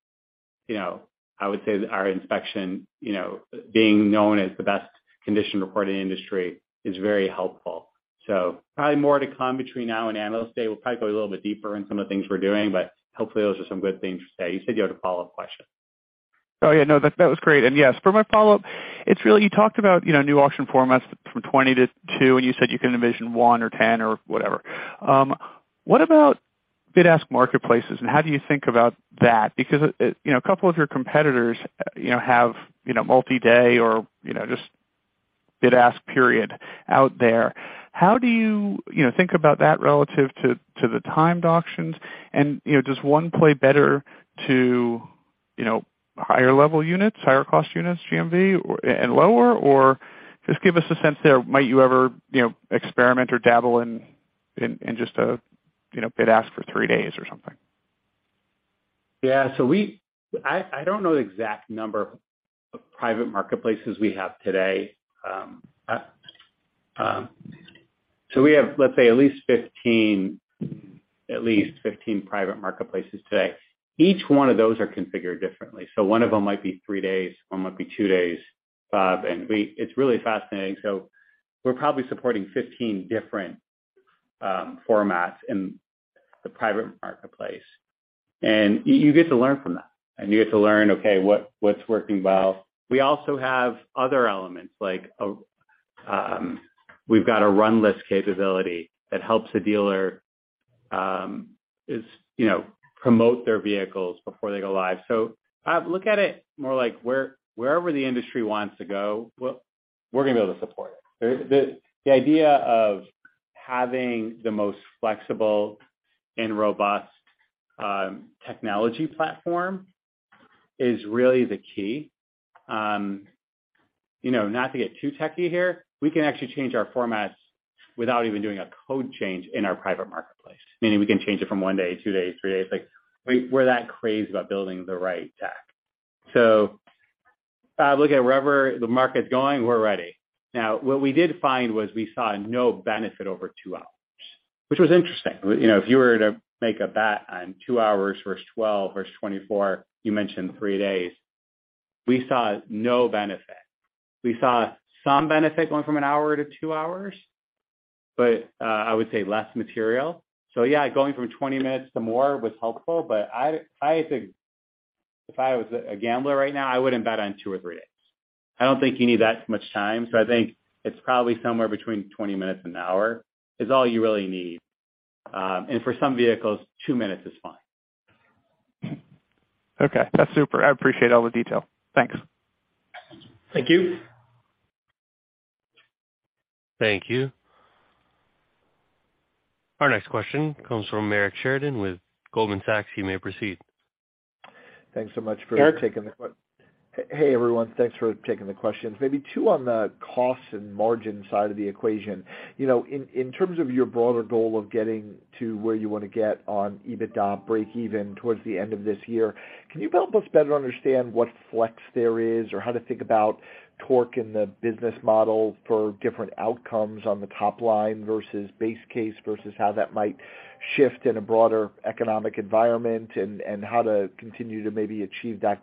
you know, I would say our inspection, you know, being known as the best condition report in the industry is very helpful. Probably more to come between now and Analyst Day. We'll probably go a little bit deeper in some of the things we're doing, but hopefully those are some good things to say. You said you had a follow-up question. Oh, yeah. No, that was great. Yes, for my follow-up, it's really, you talked about, you know, new auction formats from 2022, and you said you can envision 1 or 10 or whatever. What about bid-ask marketplaces, and how do you think about that? Because, you know, a couple of your competitors, you know, have, you know, multi-day or, you know, just bid-ask period out there. How do you know, think about that relative to the timed auctions? Does one play better to, you know, higher level units, higher cost units, GMV or... And lower? Or just give us a sense there. Might you ever, you know, experiment or dabble in just a, you know, bid-ask for three days or something? Yeah. I don't know the exact number of Private Marketplaces we have today. We have, let's say, at least 15 Private Marketplaces today. Each one of those are configured differently. One of them might be three days, one might be two days, Bob. It's really fascinating. We're probably supporting 15 different formats in the Private Marketplace. You get to learn from that, and you get to learn, okay, what's working well. We also have other elements like, we've got a run list capability that helps the dealer- Is, you know, promote their vehicles before they go live. I look at it more like wherever the industry wants to go, we're gonna be able to support it. The, the idea of having the most flexible and robust technology platform is really the key. You know, not to get too techy here, we can actually change our formats without even doing a code change in our Private Marketplace. Meaning we can change it from 1 day, 2 days, 3 days. Like, we're that crazy about building the right tech. I look at wherever the market's going, we're ready. Now, what we did find was we saw no benefit over 2 hours, which was interesting. You know, if you were to make a bet on 2 hours versus 12 versus 24, you mentioned three days, we saw no benefit. We saw some benefit going from 1 hour to 2 hours, but I would say less material. Yeah, going from 20 minutes to more was helpful, but I think if I was a gambler right now, I wouldn't bet on 2 or 3 days. I don't think you need that much time, so I think it's probably somewhere between 20 minutes, 1 hour is all you really need. For some vehicles, two minutes is fine. That's super. I appreciate all the detail. Thanks. Thank you. Thank you. Our next question comes from Eric Sheridan with Goldman Sachs. You may proceed. Thanks so much for taking the. Eric? Hey, everyone. Thanks for taking the questions. Maybe two on the cost and margin side of the equation. You know, in terms of your broader goal of getting to where you wanna get on EBITDA breakeven towards the end of this year, can you help us better understand what flex there is or how to think about torque in the business model for different outcomes on the top line versus base case, versus how that might shift in a broader economic environment, and how to continue to maybe achieve that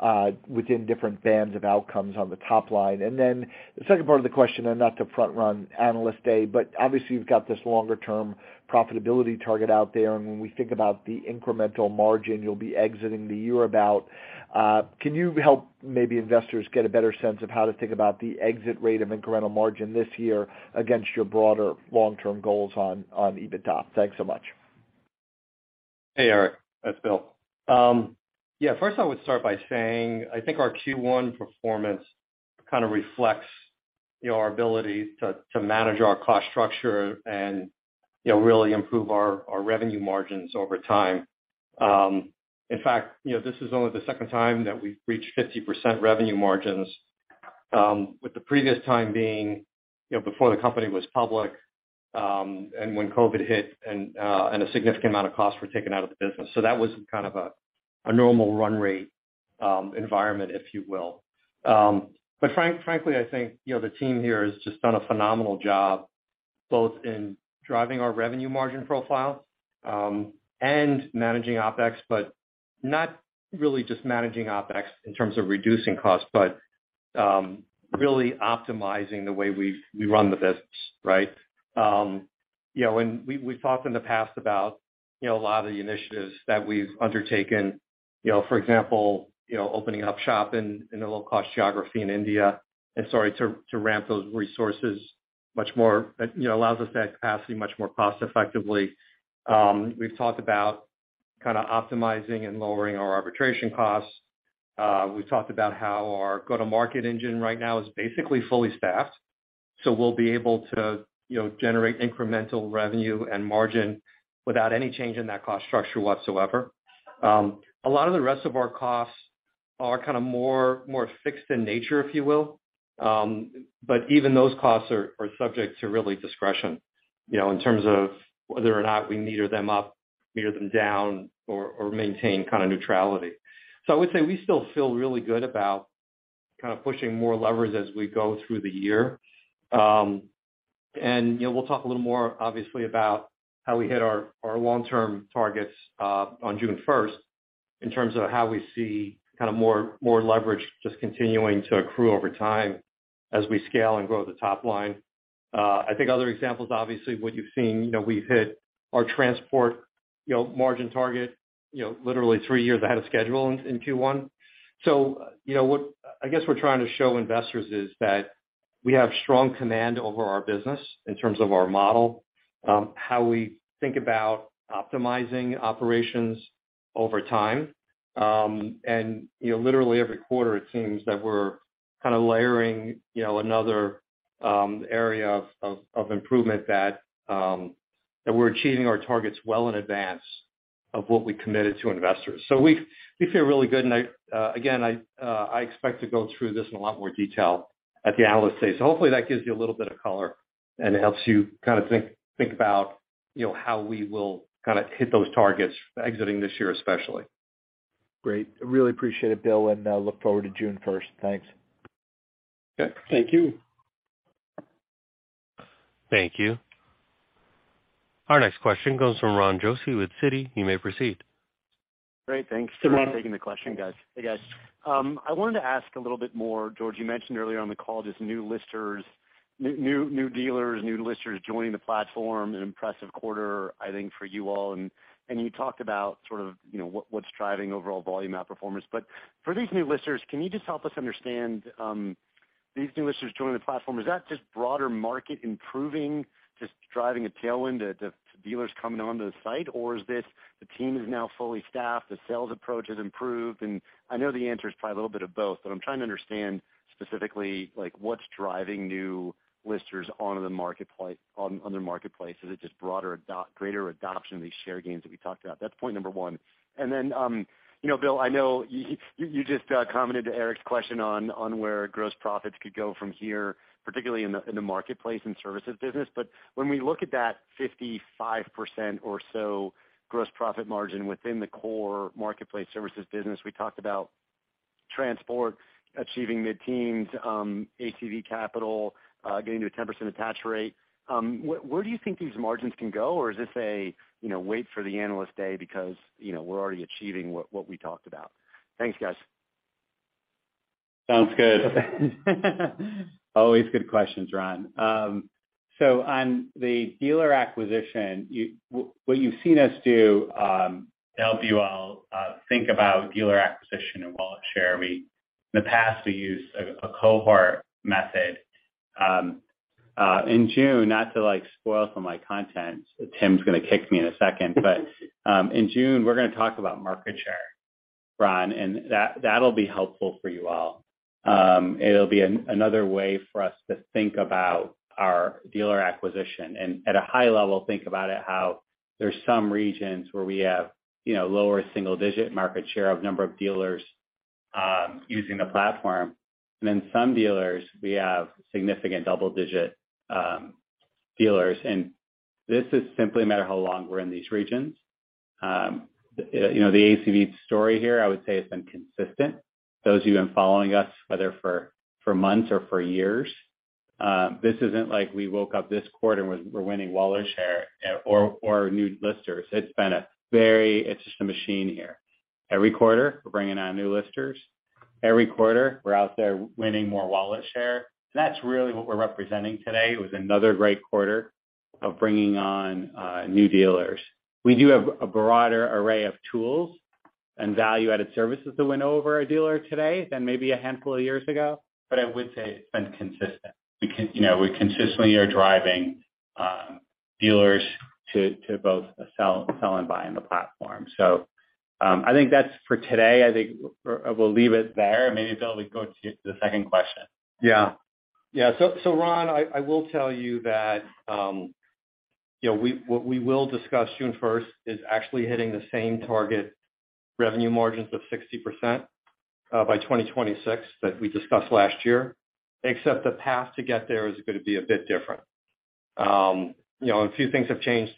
goal within different bands of outcomes on the top line? The second part of the question, not to front run Analyst Day, obviously you've got this longer term profitability target out there, when we think about the incremental margin you'll be exiting the year about, can you help maybe investors get a better sense of how to think about the exit rate of incremental margin this year against your broader long-term goals on EBITDA? Thanks so much. Hey, Eric. It's Bill. Yeah, first I would start by saying, I think our Q1 performance kind of reflects, you know, our ability to manage our cost structure and, you know, really improve our revenue margins over time. In fact, you know, this is only the second time that we've reached 50% revenue margins, with the previous time being, you know, before the company was public, and when COVID hit and a significant amount of costs were taken out of the business. That was kind of a normal run rate environment, if you will. But frankly, I think, you know, the team here has just done a phenomenal job, both in driving our revenue margin profile, and managing OpEx, but not really just managing OpEx in terms of reducing costs, but, really optimizing the way we run the business, right? You know, when we've talked in the past about, you know, a lot of the initiatives that we've undertaken, you know, for example, you know, opening up shop in a low-cost geography in India, and to ramp those resources much more, you know, allows us to add capacity much more cost effectively. We've talked about kind of optimizing and lowering our arbitration costs. We've talked about how our go-to-market engine right now is basically fully staffed, so we'll be able to, you know, generate incremental revenue and margin without any change in that cost structure whatsoever. A lot of the rest of our costs are kind of more, more fixed in nature, if you will. Even those costs are subject to really discretion, you know, in terms of whether or not we meter them up, meter them down, or maintain kind of neutrality. I would say we still feel really good about kind of pushing more levers as we go through the year. You know, we'll talk a little more obviously about how we hit our long-term targets on June 1st in terms of how we see kind of more leverage just continuing to accrue over time as we scale and grow the top line. I think other examples, obviously, what you've seen, you know, we've hit our transport, you know, margin target, you know, literally 3 years ahead of schedule in Q1. You know, what I guess we're trying to show investors is that we have strong command over our business in terms of our model, how we think about optimizing operations over time. You know, literally every quarter it seems that we're kind of layering, you know, another area of improvement that we're achieving our targets well in advance of what we committed to investors. We feel really good. Again, I expect to go through this in a lot more detail at the Analyst Day. Hopefully that gives you a little bit of color and helps you kind of think about, you know, how we will kind of hit those targets exiting this year, especially. Great. I really appreciate it, Bill, and I look forward to June first. Thanks. Okay. Thank you. Thank you. Our next question comes from Ron Josey with Citi. You may proceed. Great. Thanks for taking the question, guys. Hey, Ron. Hey, guys. I wanted to ask a little bit more, George, you mentioned earlier on the call just new listers, new dealers, new listers joining the platform, an impressive quarter, I think, for you all. And you talked about sort of, you know, what's driving overall volume outperformance. But for these new listers, can you just help us understand, These new listers joining the platform, is that just broader market improving, just driving a tailwind to dealers coming onto the site? Or is this the team is now fully staffed, the sales approach has improved? And I know the answer is probably a little bit of both, but I'm trying to understand specifically like what's driving new listers onto the marketplace. Is it just broader greater adoption of these share gains that we talked about? That's point number one. Bill, I know you just commented to Eric's question on where gross profits could go from here, particularly in the marketplace and services business. When we look at that 55% or so gross profit margin within the core marketplace services business, we talked about transport achieving mid-teens, ACV Capital getting to a 10% attach rate. Where do you think these margins can go? Or is this a wait for the analyst day because we're already achieving what we talked about? Thanks, guys. Sounds good. Always good questions, Ron Josey. On the dealer acquisition, what you've seen us do to help you all think about dealer acquisition and wallet share. In the past, we used a cohort method. In June, not to like spoil some of my content, Tim Fox's gonna kick me in a second, but, in June, we're gonna talk about market share, Ron Josey, and that'll be helpful for you all. It'll be another way for us to think about our dealer acquisition and at a high level, think about it how there's some regions where we have, you know, lower single-digit market share of number of dealers, using the platform. Then some dealers, we have significant double-digit dealers. This is simply a matter of how long we're in these regions. You know, the ACV story here, I would say, has been consistent. Those of you who have been following us, whether for months or for years, this isn't like we woke up this quarter and we're winning wallet share or new listers. It's just a machine here. Every quarter, we're bringing on new listers. Every quarter, we're out there winning more wallet share. That's really what we're representing today. It was another great quarter of bringing on new dealers. We do have a broader array of tools and value-added services to win over a dealer today than maybe a handful of years ago. I would say it's been consistent. You know, we consistently are driving dealers to both sell and buy on the platform. I think that's for today. I think I will leave it there. Maybe, Bill, we go to the second question. Yeah. Ron, I will tell you that, you know, what we will discuss June 1st is actually hitting the same target revenue margins of 60%, by 2026 that we discussed last year, except the path to get there is gonna be a bit different. You know, a few things have changed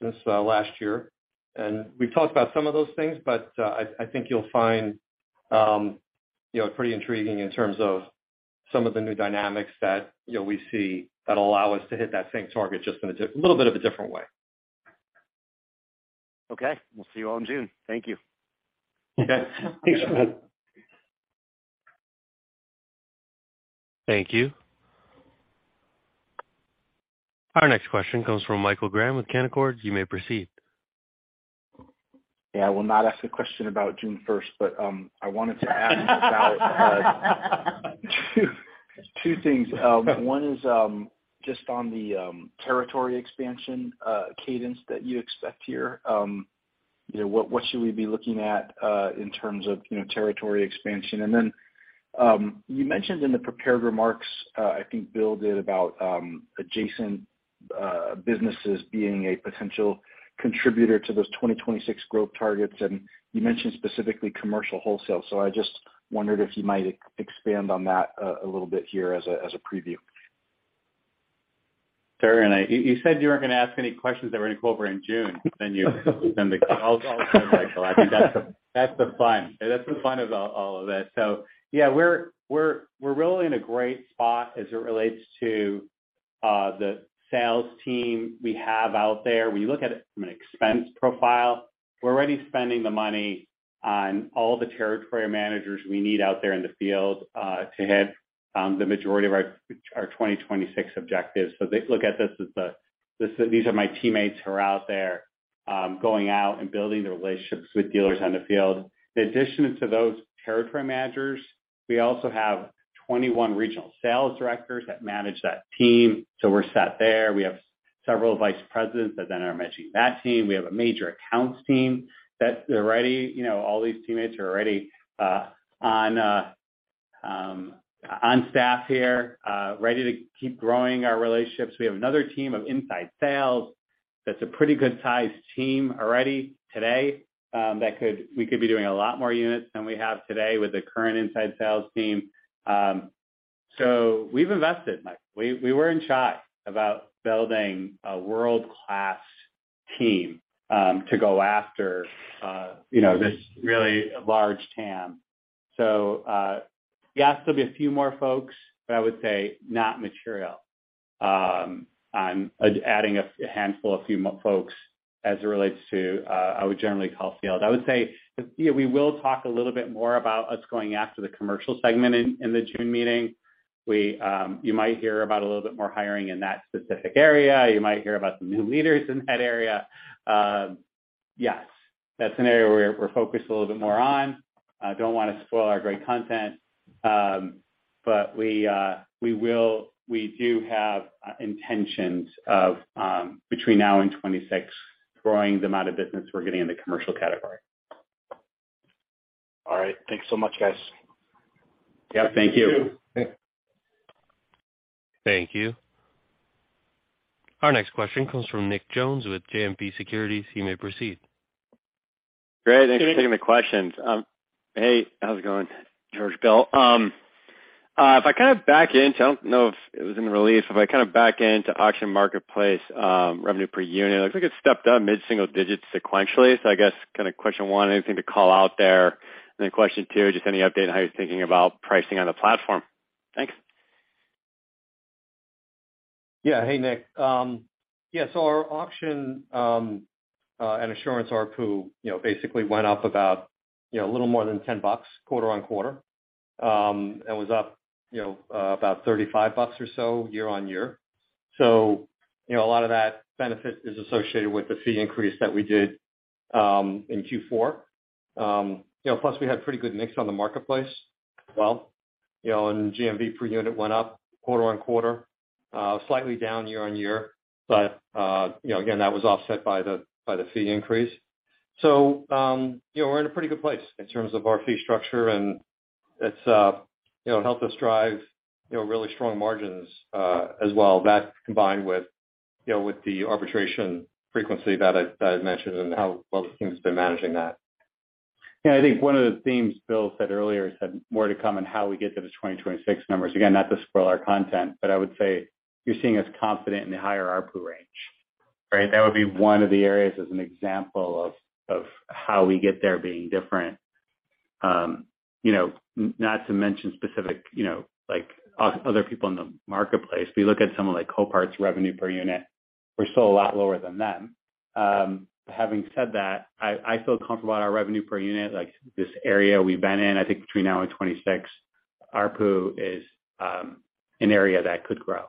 since last year, and we've talked about some of those things, but, I think you'll find, you know, pretty intriguing in terms of some of the new dynamics that, you know, we see that'll allow us to hit that same target just in a little bit of a different way. Okay. We'll see you all in June. Thank you. Thanks, Ron. Thank you. Our next question comes from Michael Graham with Canaccord. You may proceed. I will not ask a question about June 1st. I wanted to ask about 2 things. One is just on the territory expansion cadence that you expect here. You know, what should we be looking at in terms of, you know, territory expansion? You mentioned in the prepared remarks, I think Bill did, about adjacent businesses being a potential contributor to those 2026 growth targets. You mentioned specifically commercial wholesale. I just wondered if you might expand on that a little bit here as a preview. Sure. You said you weren't gonna ask any questions that were gonna go over in June. I'll go, Michael. I think that's the fun. That's the fun of all of it. Yeah, we're really in a great spot as it relates to the sales team we have out there. When you look at it from an expense profile, we're already spending the money on all the territory managers we need out there in the field to hit the majority of our 2026 objectives. They look at this as these are my teammates who are out there going out and building the relationships with dealers on the field. In addition to those territory managers, we also have 21 regional sales directors that manage that team. We're set there. We have several vice presidents that then are managing that team. We have a major accounts team that they're already, you know, all these teammates are already on staff here, ready to keep growing our relationships. We have another team of inside sales that's a pretty good sized team already today, that we could be doing a lot more units than we have today with the current inside sales team. We've invested, Michael. We weren't shy about building a world-class team, to go after, you know, this really large TAM. Yeah, there'll be a few more folks, but I would say not material. I'm adding a handful of few more folks as it relates to, I would generally call field. I would say, you know, we will talk a little bit more about us going after the commercial segment in the June meeting. We, you might hear about a little bit more hiring in that specific area. You might hear about some new leaders in that area. Yes. That's an area where we're focused a little bit more on. I don't wanna spoil our great content, but we do have intentions of between now and 2026, growing the amount of business we're getting in the commercial category. All right. Thanks so much, guys. Yeah, thank you. Thank you. Thanks. Thank you. Our next question comes from Nick Jones with JMP Securities. You may proceed. Great. Hey, Nick. Thanks for taking the questions. Hey, how's it going, George, Bill? I don't know if it was in the release. If I kinda back into auction marketplace, revenue per unit, looks like it stepped up mid-single digits sequentially. I guess kinda question one, anything to call out there? Question two, just any update on how you're thinking about pricing on the platform? Thanks. Yeah. Hey, Nick. Yeah, our auction and assurance ARPU, you know, basically went up about, you know, a little more than $10 quarter-on-quarter, and was up, you know, about $35 or so year-on-year. You know, a lot of that benefit is associated with the fee increase that we did in Q4. You know, plus we had pretty good mix on the marketplace as well. You know, GMV per unit went up quarter-on-quarter, slightly down year-on-year. You know, again, that was offset by the fee increase. You know, we're in a pretty good place in terms of our fee structure, and it's, you know, helped us drive, you know, really strong margins as well. That combined with, you know, with the arbitration frequency that I had mentioned and how well the team's been managing that. I think one of the themes Bill said earlier, he said more to come and how we get to the 2026 numbers. Not to spoil our content, but I would say you're seeing us confident in the higher ARPU range, right? That would be one of the areas as an example of how we get there being different. you know, not to mention specific, you know, like other people in the marketplace. We look at someone like Copart's revenue per unit, we're still a lot lower than them. Having said that, I feel comfortable at our revenue per unit, like this area we've been in. I think between now and 2026, ARPU is an area that could grow,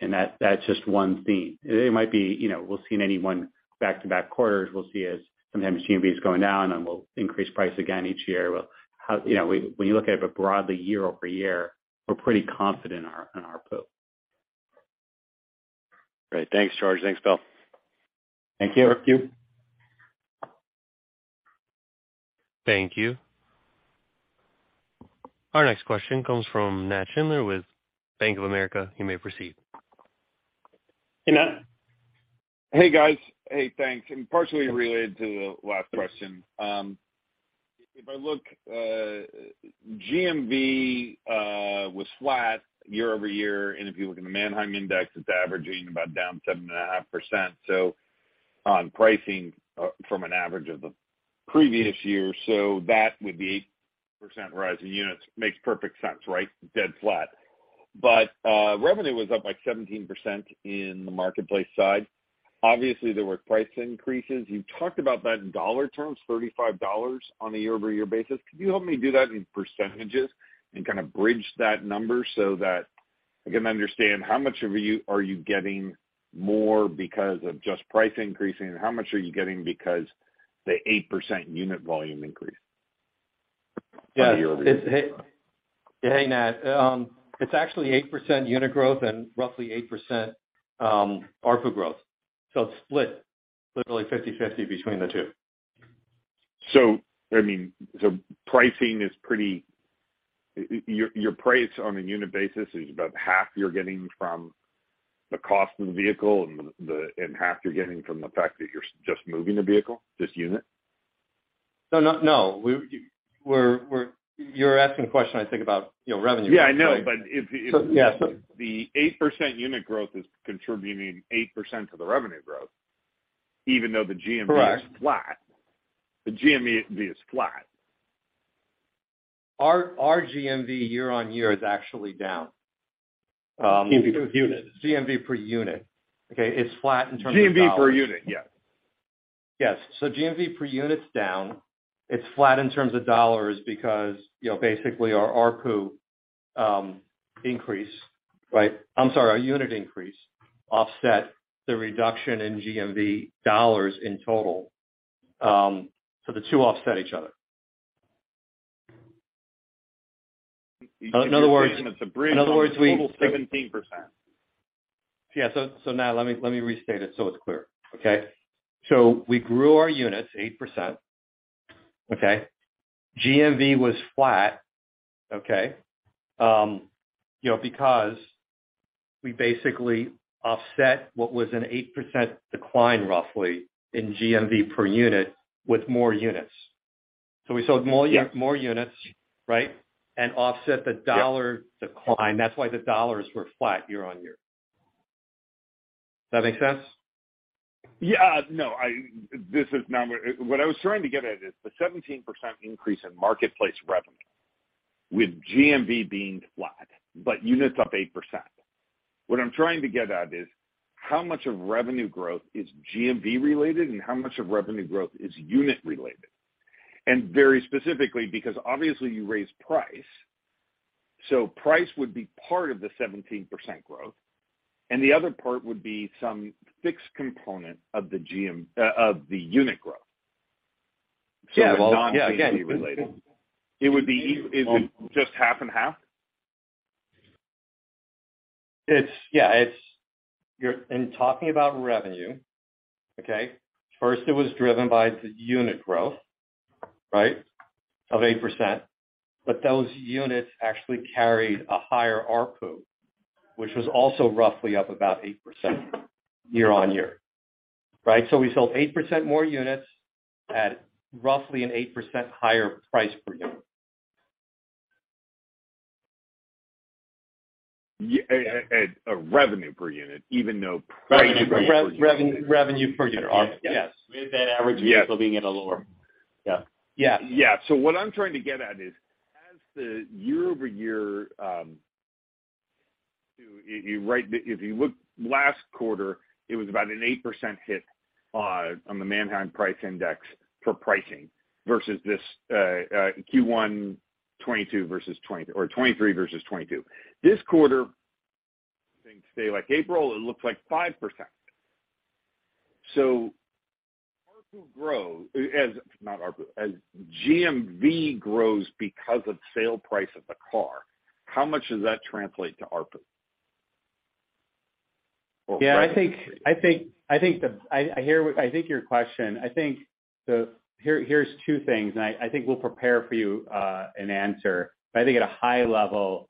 and that's just one theme. It might be, you know, we'll see in any one back-to-back quarters, we'll see as sometimes GMV is going down and we'll increase price again each year. You know, when you look at it but broadly year-over-year, we're pretty confident in our, in our ARPU. Great. Thanks, George. Thanks, Bill. Thank you. Thank you. Thank you. Our next question comes from Nat Schindler with Bank of America. You may proceed. Hey, Nat. Hey, guys. Hey, thanks. Partially related to the last question. If I look, GMV was flat year-over-year, and if you look at the Manheim Index, it's averaging about down 7.5%. On pricing, from an average of the previous year, so that with the 8% rise in units makes perfect sense, right? Dead flat. Revenue was up by 17% in the marketplace side. Obviously, there were price increases. You talked about that in dollar terms, $35 on a year-over-year basis. Could you help me do that in percentages and kinda bridge that number so that I can understand how much of you are you getting more because of just price increasing and how much are you getting because the 8% unit volume increase on year-over-year? Yeah. Hey, Nat. It's actually 8% unit growth and roughly 8%, ARPU growth. It's split literally 50/50 between the two. I mean, so pricing is pretty... your price on a unit basis is about half you're getting from the cost of the vehicle and half you're getting from the fact that you're just moving the vehicle, this unit? No, no. You're asking a question, I think, about, you know, revenue. Yeah, I know. If. Yeah.... the 8% unit growth is contributing 8% to the revenue growth, even though the GMV- Correct... is flat. The GMV is flat. Our GMV year-over-year is actually down. GMV per unit. GMV per unit. Okay. It's flat in terms of dollars. GMV per unit, yeah. Yes. GMV per unit's down. It's flat in terms of dollars because, you know, basically our ARPU increase, right? I'm sorry. Our unit increase offset the reduction in GMV dollars in total. The two offset each other. You- In other words- You're saying it's a bridge? In other words. to total 17%. Yeah. Now let me restate it so it's clear. Okay? We grew our units 8%. Okay? GMV was flat, okay, you know, because we basically offset what was an 8% decline roughly in GMV per unit with more units. We sold more. Yeah more units, right? offset the dollar Yeah... decline. That's why the dollars were flat year-on-year. Does that make sense? Yeah. No. This is not what I was trying to get at is the 17% increase in marketplace revenue, with GMV being flat, but units up 8%. What I'm trying to get at is how much of revenue growth is GMV related and how much of revenue growth is unit related? Very specifically, because obviously you raised price. Price would be part of the 17% growth, and the other part would be some fixed component of the GM, of the unit growth. Yeah. It's non-GMV related. Is it just half and half? In talking about revenue, okay? First, it was driven by the unit growth, right, of 8%, those units actually carried a higher ARPU, which was also roughly up about 8% year-over-year, right? We sold 8% more units at roughly an 8% higher price per unit. a revenue per unit even though price was- Revenue per unit. Yes. With that average also being at a lower. Yeah. Yeah. Yeah. What I'm trying to get at is, as the year-over-year, You write the... If you look last quarter, it was about an 8% hit on the Manheim Price Index for pricing versus this Q1 2022 versus 2023 versus 2022. This quarter, say like April, it looks like 5%. ARPU grow. As GMV grows because of sale price of the car, how much does that translate to ARPU? Yeah. I think your question. Here's two things, and I think we'll prepare for you an answer. I think at a high level,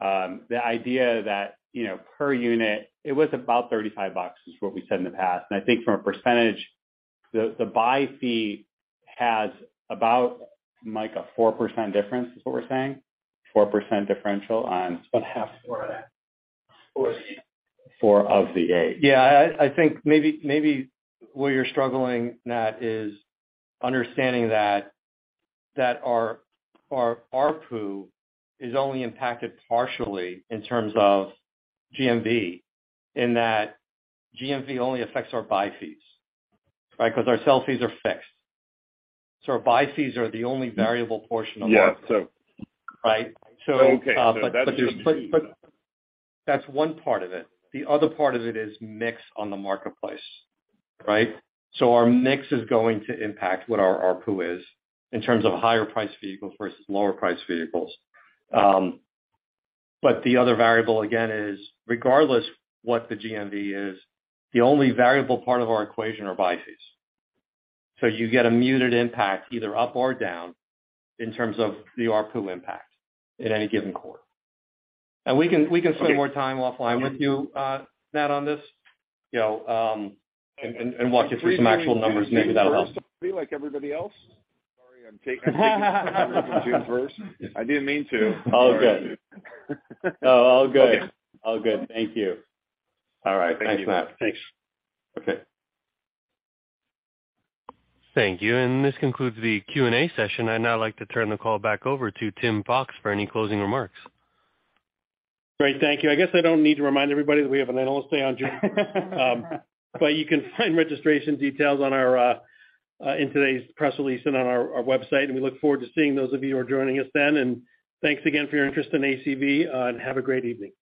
the idea that, you know, per unit, it was about $35, is what we said in the past. I think from a percentage, the buy fee has about, Mike, a 4% difference is what we're saying? 4% differential on- It's about half of four of the eight. Four of the eight. Yeah. I think maybe where you're struggling, Nat, is understanding that our ARPU is only impacted partially in terms of GMV, in that GMV only affects our buy fees, right? Because our sell fees are fixed. Our buy fees are the only variable portion of ARPU. Yeah. Right? But that's one part of it. The other part of it is mix on the marketplace, right? Our mix is going to impact what our ARPU is in terms of higher priced vehicles versus lower priced vehicles. But the other variable, again, is regardless what the GMV is, the only variable part of our equation are buy fees. You get a muted impact either up or down in terms of the ARPU impact in any given quarter. We can spend more time offline with you, Nat, on this, you know, and walk you through some actual numbers and maybe that'll help. like everybody else? Sorry, I'm taking June first. I didn't mean to. All good. No, all good. Okay. All good. Thank you. All right. Thanks, Nat. Thanks. Okay. Thank you. This concludes the Q&A session. I'd now like to turn the call back over to Tim Fox for any closing remarks. Great. Thank you. I guess I don't need to remind everybody that we have an Analyst Day on June. You can find registration details on our in today's press release and on our website. We look forward to seeing those of you who are joining us then. Thanks again for your interest in ACV and have a great evening.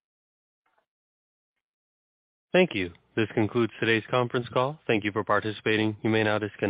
Thank you. This concludes today's conference call. Thank you for participating. You may now disconnect.